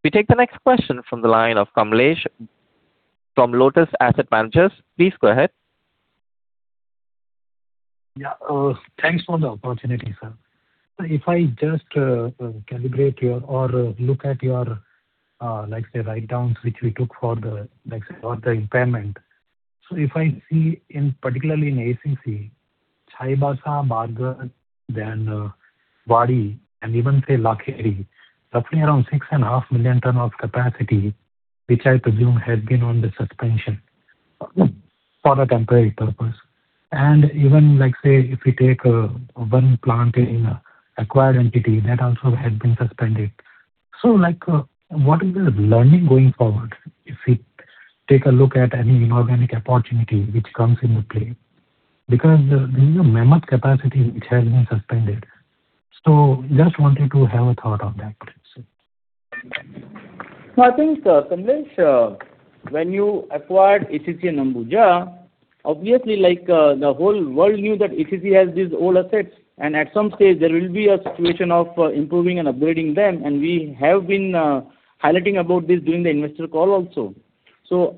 We take the next question from the line of Kamlesh from Lotus Asset Managers. Please go ahead. Yeah, thanks for the opportunity, sir. If I just calibrate or look at your, let's say, write-downs, which we took for the impairment. If I see particularly in ACC, Chaibasa, Bargarh, then Wadi, and even say Lakheri, roughly around 6.5 million ton of capacity, which I presume has been on the suspension for a temporary purpose. Even if we take one plant in acquired entity, that also had been suspended. What is the learning going forward if we take a look at any inorganic opportunity which comes into play? Because this is a mammoth capacity which has been suspended. Just wanted to have a thought on that, sir. No, I think, Kamlesh, when you acquired ACC and Ambuja, obviously, the whole world knew that ACC has these old assets, and at some stage there will be a situation of improving and upgrading them. We have been highlighting about this during the investor call also.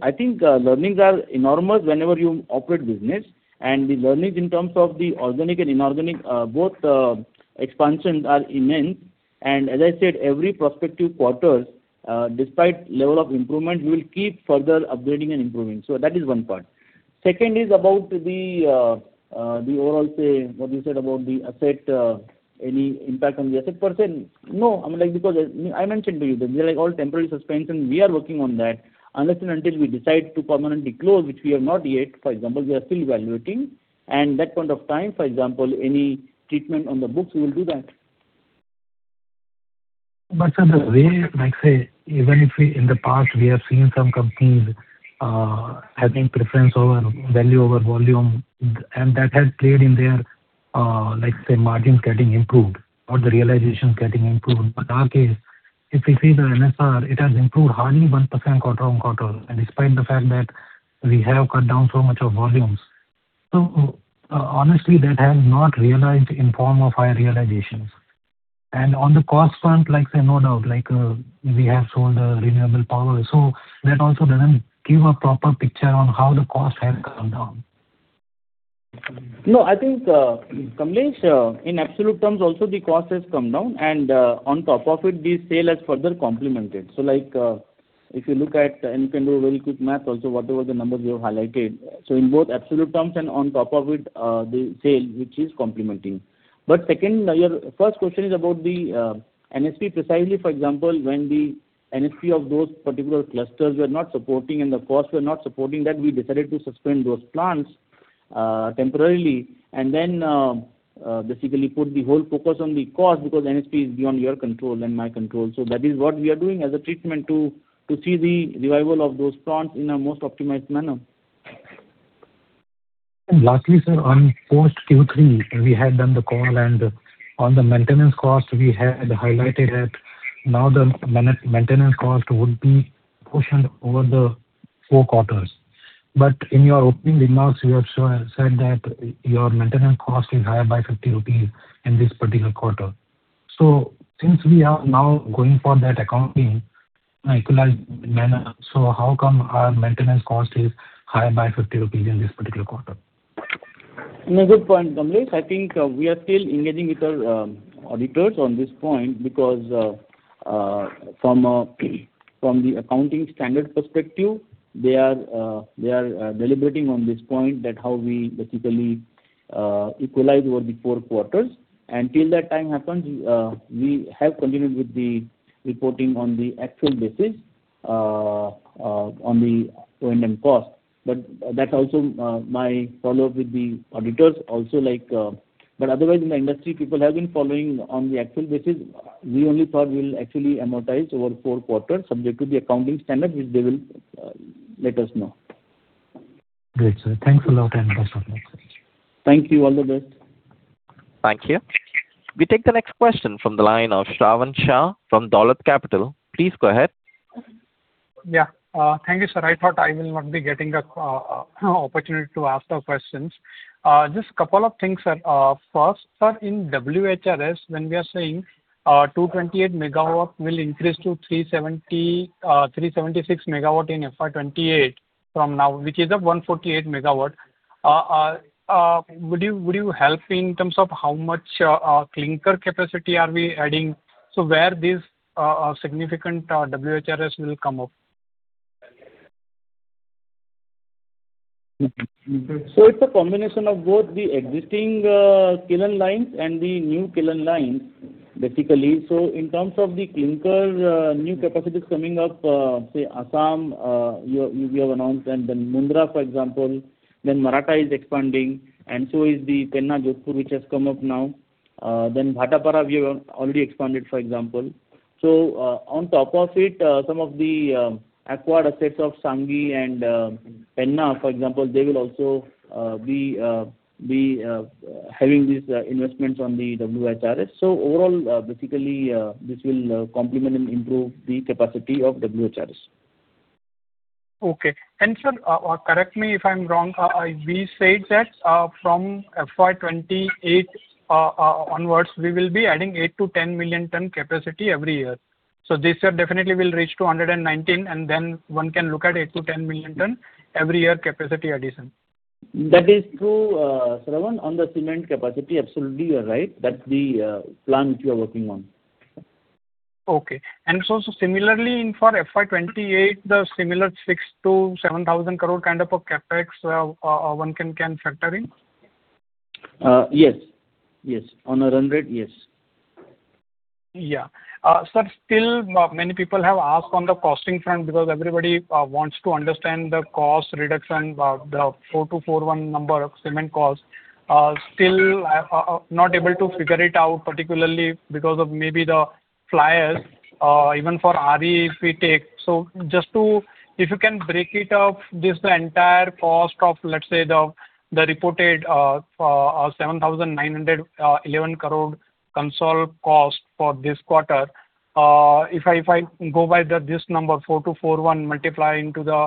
I think learnings are enormous whenever you operate business, and the learnings in terms of the organic and inorganic, both expansions are immense. As I said, every prospective quarters, despite level of improvement, we will keep further upgrading and improving. That is one part. Second is about the overall, say, what you said about the asset, any impact on the asset percent? No, because I mentioned to you that they're all temporary suspension. We are working on that. Unless and until we decide to permanently close, which we have not yet, for example, we are still evaluating. That point of time, for example, any treatment on the books, we will do that. Sir, the way, let's say, even if in the past we have seen some companies having preference over value over volume, and that has played in their, let's say, margins getting improved or the realization getting improved. Our case, if we see the NSR, it has improved hardly 1% quarter-on-quarter, and despite the fact that we have cut down so much of volumes. Honestly, that has not realized in form of high realizations. On the cost front, no doubt, we have sold renewable power. That also doesn't give a proper picture on how the cost has come down. Kamlesh, in absolute terms also the cost has come down, and on top of it, the sale has further complemented. If you look at, and you can do a very quick math also, whatever the numbers you have highlighted. In both absolute terms and on top of it, the sale, which is complementing. Second, your first question is about the NSP precisely, for example, when the NSP of those particular clusters were not supporting and the cost were not supporting that, we decided to suspend those plants temporarily. Then basically put the whole focus on the cost because NSP is beyond your control and my control. That is what we are doing as a treatment to see the revival of those plants in a most optimized manner. Lastly, sir, on post Q3, we had done the call and on the maintenance cost, we had highlighted that now the maintenance cost would be portioned over the four quarters. In your opening remarks, you have said that your maintenance cost is higher by 50 rupees in this particular quarter. Since we are now going for that accounting equalized manner, how come our maintenance cost is higher by 50 rupees in this particular quarter? Good point, Kamlesh. I think we are still engaging with our auditors on this point because, from the accounting standard perspective, they are deliberating on this point that how we basically equalize over the four quarters. Until that time happens, we have continued with the reporting on the actual basis on the O&M cost. That's also my follow-up with the auditors also. Otherwise, in the industry, people have been following on the actual basis. We only thought we will actually amortize over four quarters subject to the accounting standard, which they will let us know. Great, sir. Thanks a lot and best of luck. Thank you. All the best. Thank you. We take the next question from the line of Shravan Shah from Dolat Capital. Please go ahead. Yeah. Thank you, sir. I thought I will not be getting the opportunity to ask the questions. Just a couple of things, sir. First, sir, in WHRS, when we are saying 228 MW will increase to 376 MW in FY 2028 from now, which is at 148 MW. Would you help in terms of how much clinker capacity are we adding? Where this significant WHRS will come up? It's a combination of both the existing kiln lines and the new kiln lines, basically. In terms of the clinker, new capacities coming up, say Assam, we have announced, and then Mundra, for example, then Maratha is expanding, and so is the Penna, Jodhpur, which has come up now. Then Bhatapara, we have already expanded, for example. On top of it, some of the acquired assets of Sanghi and Penna, for example, they will also be having these investments on the WHRS. Overall, basically, this will complement and improve the capacity of WHRS. Okay. sir, correct me if I'm wrong, we said that from FY 2028 onwards, we will be adding 8 to 10 million ton capacity every year. So this year definitely we'll reach to 119 million tons, then one can look at 8 to 10 million ton every year capacity addition. That is true, Shravan. On the cement capacity, absolutely you're right. That's the plan which we are working on. Okay. similarly for FY 2028, the similar 6 to 7,000 crore kind of a CapEx, one can factor in? Yes. On a run rate, yes. Sir, still many people have asked on the costing front because everybody wants to understand the cost reduction, the 4,241 number of cement cost. Still not able to figure it out, particularly because of maybe the fly ash, even for RE if we take. If you can break it up, this entire cost of, let's say, the reported 7,911 crore consolidated cost for this quarter. If I go by this number 4,241 multiplying to the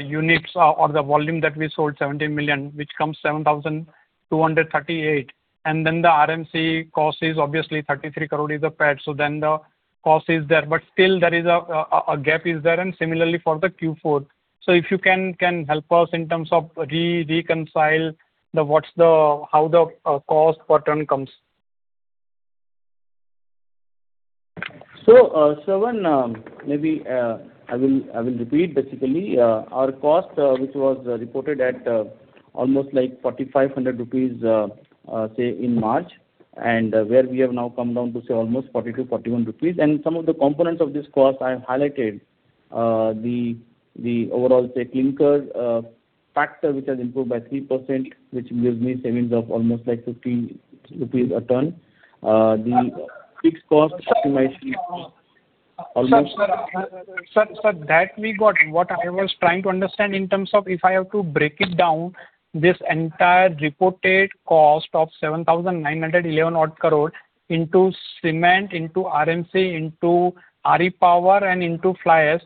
units or the volume that we sold, 17 million, which comes 7,238. The RMC cost is obviously 33 crore is the PAT, the cost is there. Still a gap is there, and similarly for the Q4. If you can help us in terms of reconcile how the cost per ton comes. Shravan, maybe I will repeat basically. Our cost, which was reported at almost 4,500 rupees, say in March, and where we have now come down to say almost 4,241 rupees. Some of the components of this cost I have highlighted. The overall, say, clinker factor, which has improved by 3%, which gives me savings of almost 15 rupees a ton. The fixed cost optimization almost. Sir, that we got. What I was trying to understand in terms of if I have to break it down, this entire reported cost of 7,911 crore into cement, into RMC, into RE and into fly ash.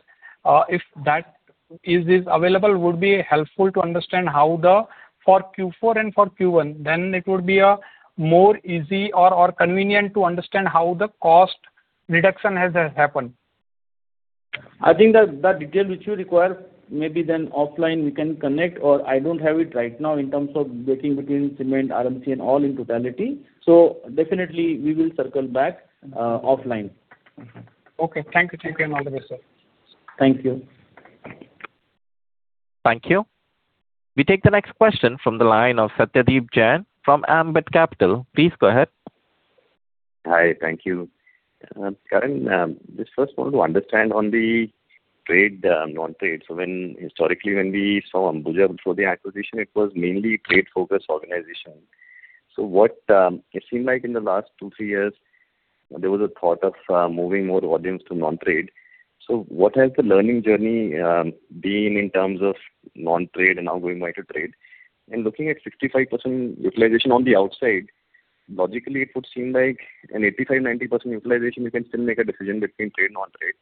If that is available, would be helpful to understand how the, for Q4 and for Q1. It would be more easy or convenient to understand how the cost reduction has happened. I think the detail which you require, maybe then offline we can connect, or I don't have it right now in terms of breaking between cement, RMC, and all in totality. Definitely we will circle back offline. Okay. Thank you, and all the best, sir. Thank you. Thank you. We take the next question from the line of Satyadeep Jain from Ambit Capital. Please go ahead. Hi. Thank you. Karan, just first want to understand on the trade, non-trade. Historically, when we saw Ambuja before the acquisition, it was mainly trade-focused organization. It seemed like in the last two, three years, there was a thought of moving more volumes to non-trade. What has the learning journey been in terms of non-trade and now going back to trade? Looking at 65% utilization on the outside, logically, it would seem like an 85%, 90% utilization, you can still make a decision between trade and non-trade.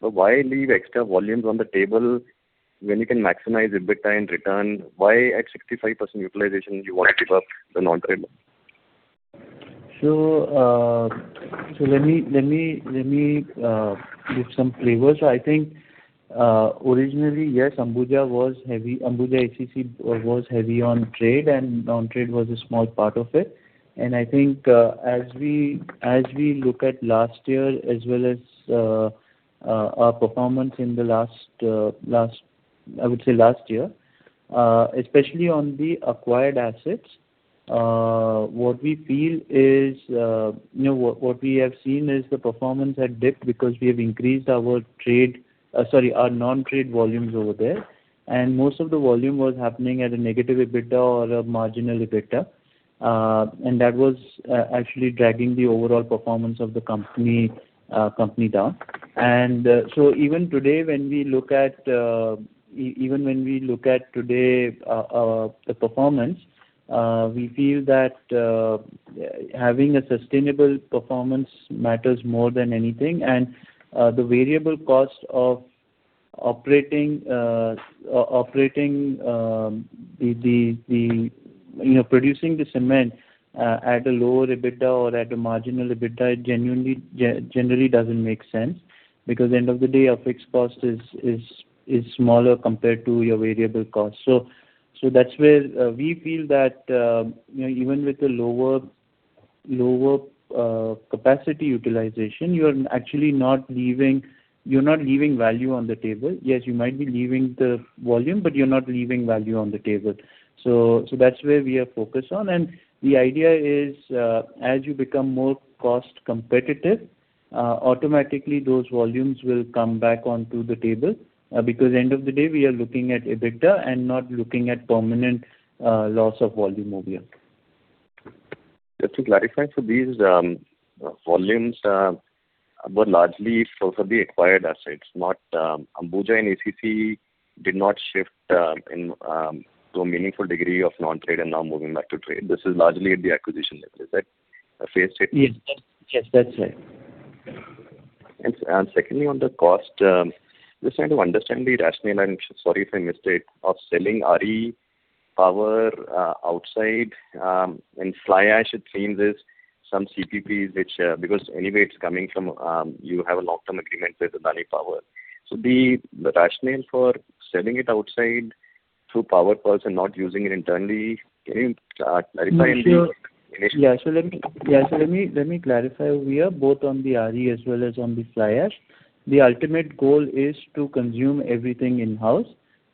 Why leave extra volumes on the table when you can maximize EBITDA and return? Why at 65% utilization do you want to give up the non-trade? Let me give some flavors. I think, originally, yes, Ambuja ACC was heavy on trade, and non-trade was a small part of it. I think as we look at last year as well as our performance in the last, I would say, last year. Especially on the acquired assets, what we have seen is the performance had dipped because we have increased our non-trade volumes over there, and most of the volume was happening at a negative EBITDA or a marginal EBITDA. That was actually dragging the overall performance of the company down. Even when we look at today the performance, we feel that having a sustainable performance matters more than anything. The variable cost of producing the cement at a lower EBITDA or at a marginal EBITDA generally doesn't make sense, because at the end of the day, our fixed cost is smaller compared to your variable cost. That's where we feel that even with a lower capacity utilization, you're not leaving value on the table. Yes, you might be leaving the volume, but you're not leaving value on the table. That's where we are focused on. The idea is, as you become more cost competitive, automatically those volumes will come back onto the table. Because at the end of the day, we are looking at EBITDA and not looking at permanent loss of volume over here. Just to clarify, these volumes were largely also the acquired assets. Ambuja and ACC did not shift to a meaningful degree of non-trade and now moving back to trade. This is largely at the acquisition level. Is that a fair statement? Yes, that's right. Secondly, on the cost, just trying to understand the rationale, and sorry if I missed it, of selling RE power outside and fly ash it seems is some CPPs, because anyway you have a long-term agreement with Adani Power. The rationale for selling it outside through power purchase and not using it internally, can you clarify? Let me clarify where both on the RE as well as on the fly ash. The ultimate goal is to consume everything in-house.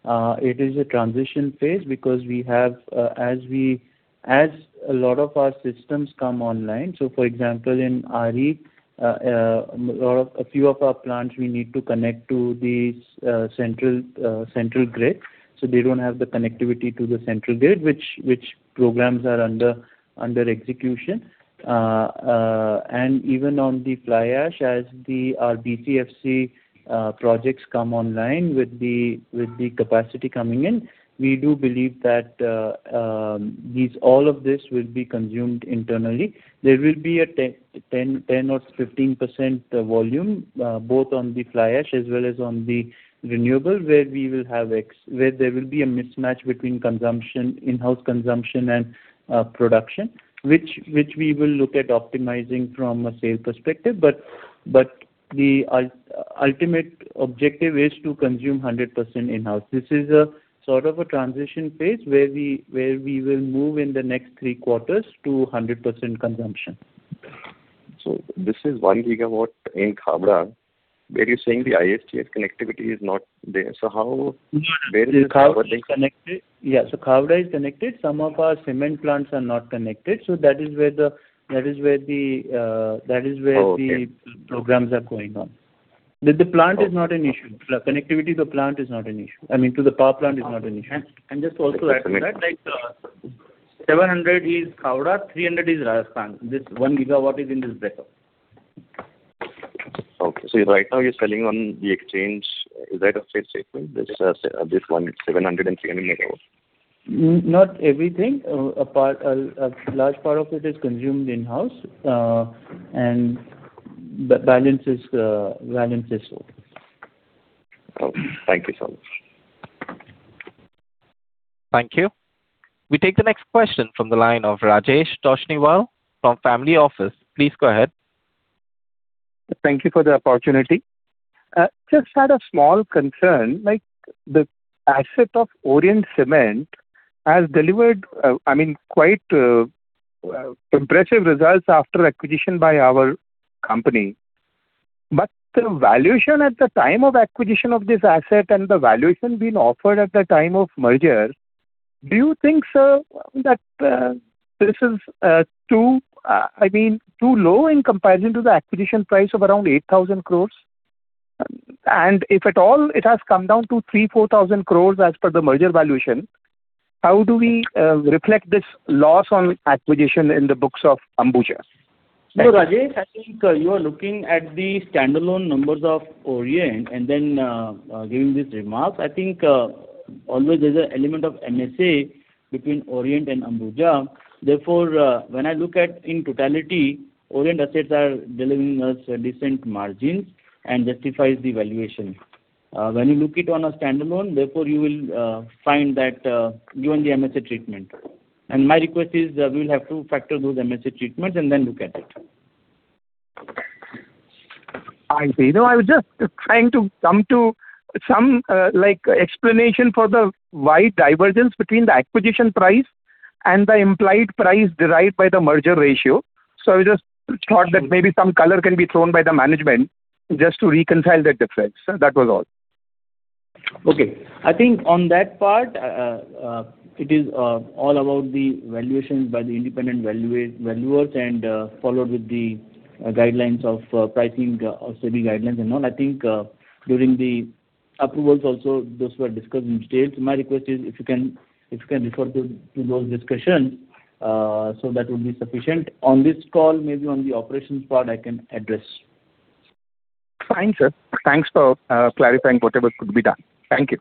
It is a transition phase because as a lot of our systems come online, for example, in RE, a few of our plants we need to connect to the central grid. They don't have the connectivity to the central grid, which programs are under execution. Even on the fly ash, as our BCFC projects come online with the capacity coming in, we do believe that all of this will be consumed internally. There will be a 10% or 15% volume both on the fly ash as well as on the renewable, where there will be a mismatch between in-house consumption and production, which we will look at optimizing from a sales perspective. The ultimate objective is to consume 100% in-house. This is a sort of a transition phase where we will move in the next three quarters to 100% consumption. This is 1 GW in Khavda where you are saying the ISTS connectivity is not there. How? Yeah. Khavda is connected. Some of our cement plants are not connected. That is where programs are going on. The connectivity to the power plant is not an issue. Just to also add to that, 700 is Khavda, 300 is Rajasthan. This 1 gigawatt is in this. Right now you're selling on the exchange. Is that a fair statement? This one is 700 MW and 300 MW. Not everything. A large part of it is consumed in-house, and balance is sold. Okay. Thank you so much. Thank you. We take the next question from the line of Rajesh Toshniwal from Family Office. Please go ahead. Thank you for the opportunity. Just had a small concern, the asset of Orient Cement has delivered quite impressive results after acquisition by our company. The valuation at the time of acquisition of this asset and the valuation being offered at the time of merger, do you think, sir, that this is too low in comparison to the acquisition price of around 8,000 crore? If at all it has come down to 3,000 crore-4,000 crore as per the merger valuation, how do we reflect this loss on acquisition in the books of Ambuja? No, Rajesh, I think you are looking at the standalone numbers of Orient Cement and then giving this remark. I think always there's an element of MSA between Orient Cement and Ambuja. When I look at in totality, Orient Cement assets are delivering us decent margins and justifies the valuation. When you look it on a standalone, therefore you will find that given the MSA treatment. My request is we will have to factor those MSA treatments and then look at it. I see. No, I was just trying to come to some explanation for the wide divergence between the acquisition price and the implied price derived by the merger ratio. I just thought that maybe some color can be thrown by the management just to reconcile that difference. That was all. Okay. I think on that part, it is all about the valuations by the independent valuers and followed with the guidelines of pricing or SEBI guidelines and all. I think during the approvals also, those were discussed in detail. My request is, if you can refer to those discussions, that would be sufficient. On this call, maybe on the operations part, I can address. Fine, sir. Thanks for clarifying whatever could be done. Thank you.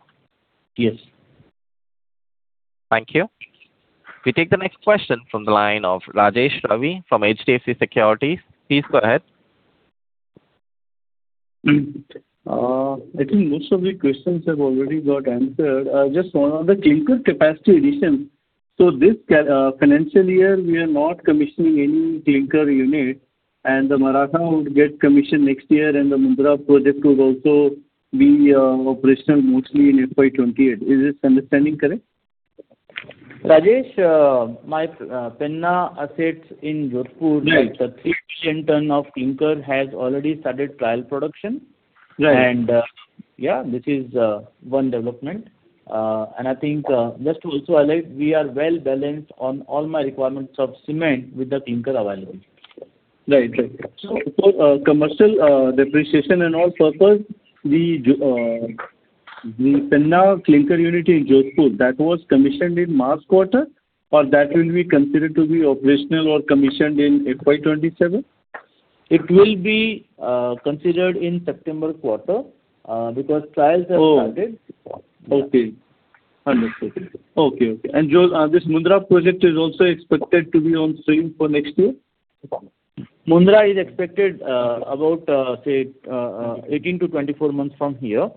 Yes. Thank you. We take the next question from the line of Rajesh Ravi from HDFC Securities. Please go ahead. I think most of the questions have already got answered. Just one on the clinker capacity addition. This financial year, we are not commissioning any clinker unit and the Maratha would get commissioned next year and the Mundra project would also be operational mostly in FY 2028. Is this understanding correct? Rajesh, my Penna assets in Jodhpur. Right. The 3 million ton of clinker has already started trial production. Right. Yeah, this is one development. I think just to also highlight, we are well balanced on all my requirements of cement with the clinker available. Right. For commercial depreciation and all purpose, the Penna clinker unit in Jodhpur, that was commissioned in March quarter, or that will be considered to be operational or commissioned in FY 2027? It will be considered in September quarter, because trials have started. Oh, okay. Understood. Okay. This Mundra project is also expected to be on stream for next year? Mundra is expected about, say, 18-24 months from here.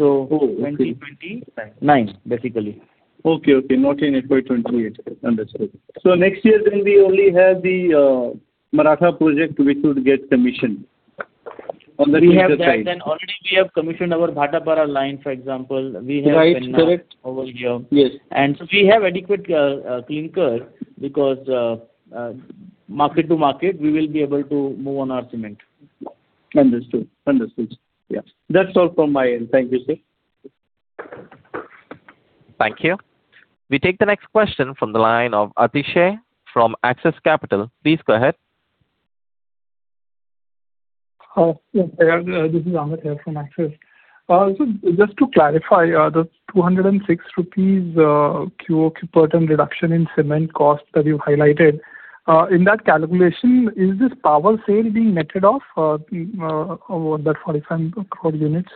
Oh, okay. 2029, basically. Okay. Not in FY 2028. Understood. Next year then we only have the Maratha project which would get commissioned on the clinker side. We have that, then already we have commissioned our Bhatapara line, for example. We have Penna over here. Yes. We have adequate clinker because market to market we will be able to move on our cement. Understood. Yeah. That's all from my end. Thank you, sir. Thank you. We take the next question from the line of Atishay from Axis Capital. Please go ahead. Yes. This is Amit here from Axis. To clarify, the 206 rupees quarter-over-quarter per ton reduction in cement cost that you've highlighted. In that calculation, is this power sale being netted off over that 45 crore units?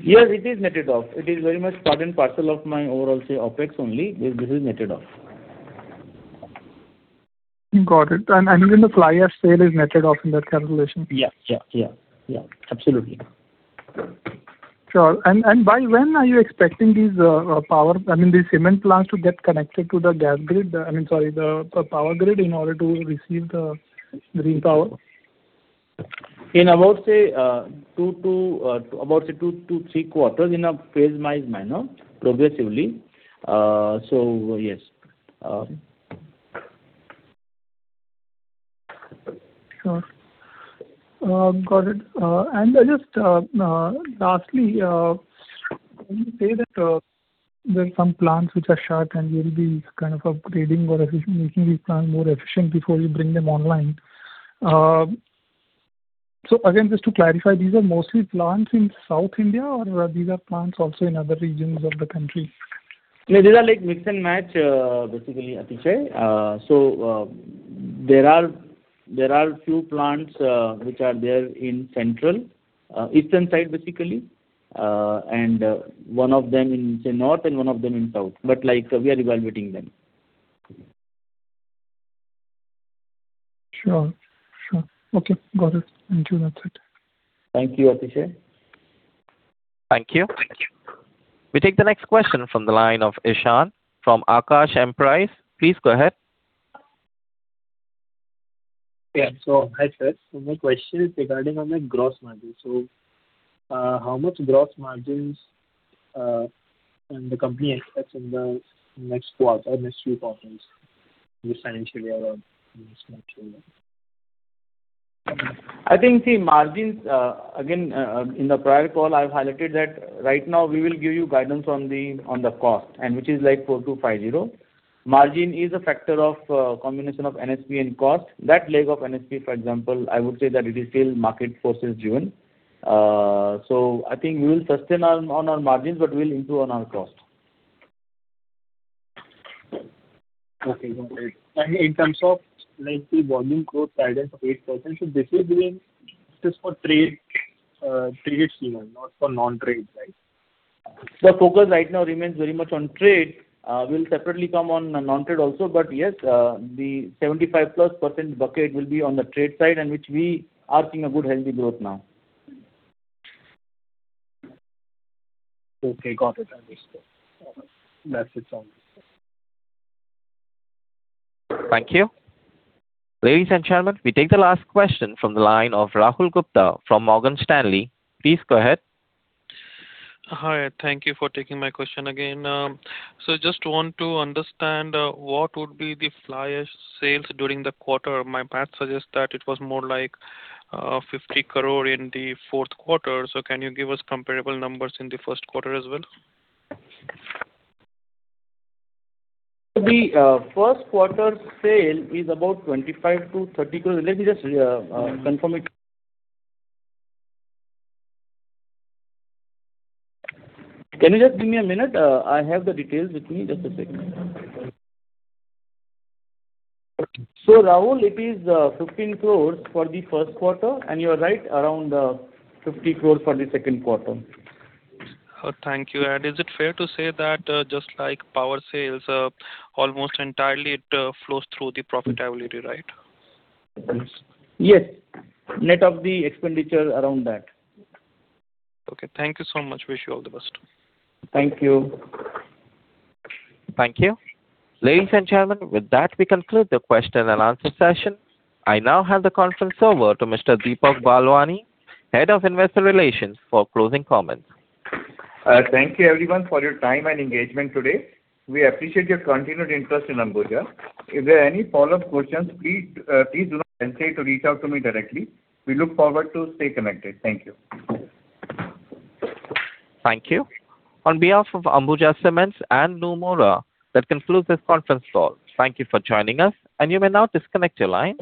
Yes, it is netted off. It is very much part and parcel of my overall, say, OpEx only. This is netted off. Got it. Then the fly ash sale is netted off in that calculation? Yeah. Absolutely. Sure. By when are you expecting these cement plants to get connected to the power grid in order to receive the green power? In about, say, two to three quarters in a phase-wise manner, progressively. Yes. Sure. Got it. Just lastly, when you say that there are some plants which are shut and we'll be kind of upgrading or making these plants more efficient before you bring them online. Again, just to clarify, these are mostly plants in South India, or these are plants also in other regions of the country? No, these are like mix and match, basically, Atishay. There are few plants which are there in Central, Eastern side basically. One of them in say North and one of them in South, we are evaluating them. Sure. Okay. Got it. Thank you. That's it. Thank you, Atishay. Thank you. Thank you. We take the next question from the line of Ishan from Aakash Emprise. Please go ahead. Yeah. So hi, sir. My question is regarding on the gross margin. How much gross margins, and the company expects in the next few quarters, this financial year or in this next year? Margins, again, in the prior call, I've highlighted that right now we will give you guidance on the cost, and which is like 4,250. Margin is a factor of combination of NSP and cost. That leg of NSP, for example, I would say that it is still market forces driven. I think we will sustain on our margins, but we'll improve on our cost. Okay. Got it. In terms of, let's say volume growth guidance of 8%, this is being just for trade scheme and not for non-trade, right? The focus right now remains very much on trade. We'll separately come on non-trade also. Yes, the 75%+ bucket will be on the trade side, and which we are seeing a good, healthy growth now. Okay. Got it. Understood. That's it on this. Thank you. Ladies and gentlemen, we take the last question from the line of Rahul Gupta from Morgan Stanley. Please go ahead. Hi. Thank you for taking my question again. Just want to understand what would be the fly ash sales during the quarter. My math suggests that it was more like 50 crore in the fourth quarter. Can you give us comparable numbers in the first quarter as well? The first quarter sale is about 25 crore-30 crore. Let me just confirm it. Can you just give me a minute? I have the details with me. Just a second. Rahul, it is 15 crore for the first quarter, and you're right around 50 crore for the second quarter. Thank you. Is it fair to say that just like power sales, almost entirely it flows through the profitability, right? Yes. Net of the expenditure around that. Okay. Thank you so much. Wish you all the best. Thank you. Thank you. Ladies and gentlemen, with that, we conclude the question-and-answer session. I now hand the conference over to Mr. Deepak Balwani, Head of Investor Relations, for closing comments. Thank you everyone for your time and engagement today. We appreciate your continued interest in Ambuja. If there are any follow-up questions, please do not hesitate to reach out to me directly. We look forward to stay connected. Thank you. Thank you. On behalf of Ambuja Cements and Nomura, that concludes this conference call. Thank you for joining us, and you may now disconnect your line.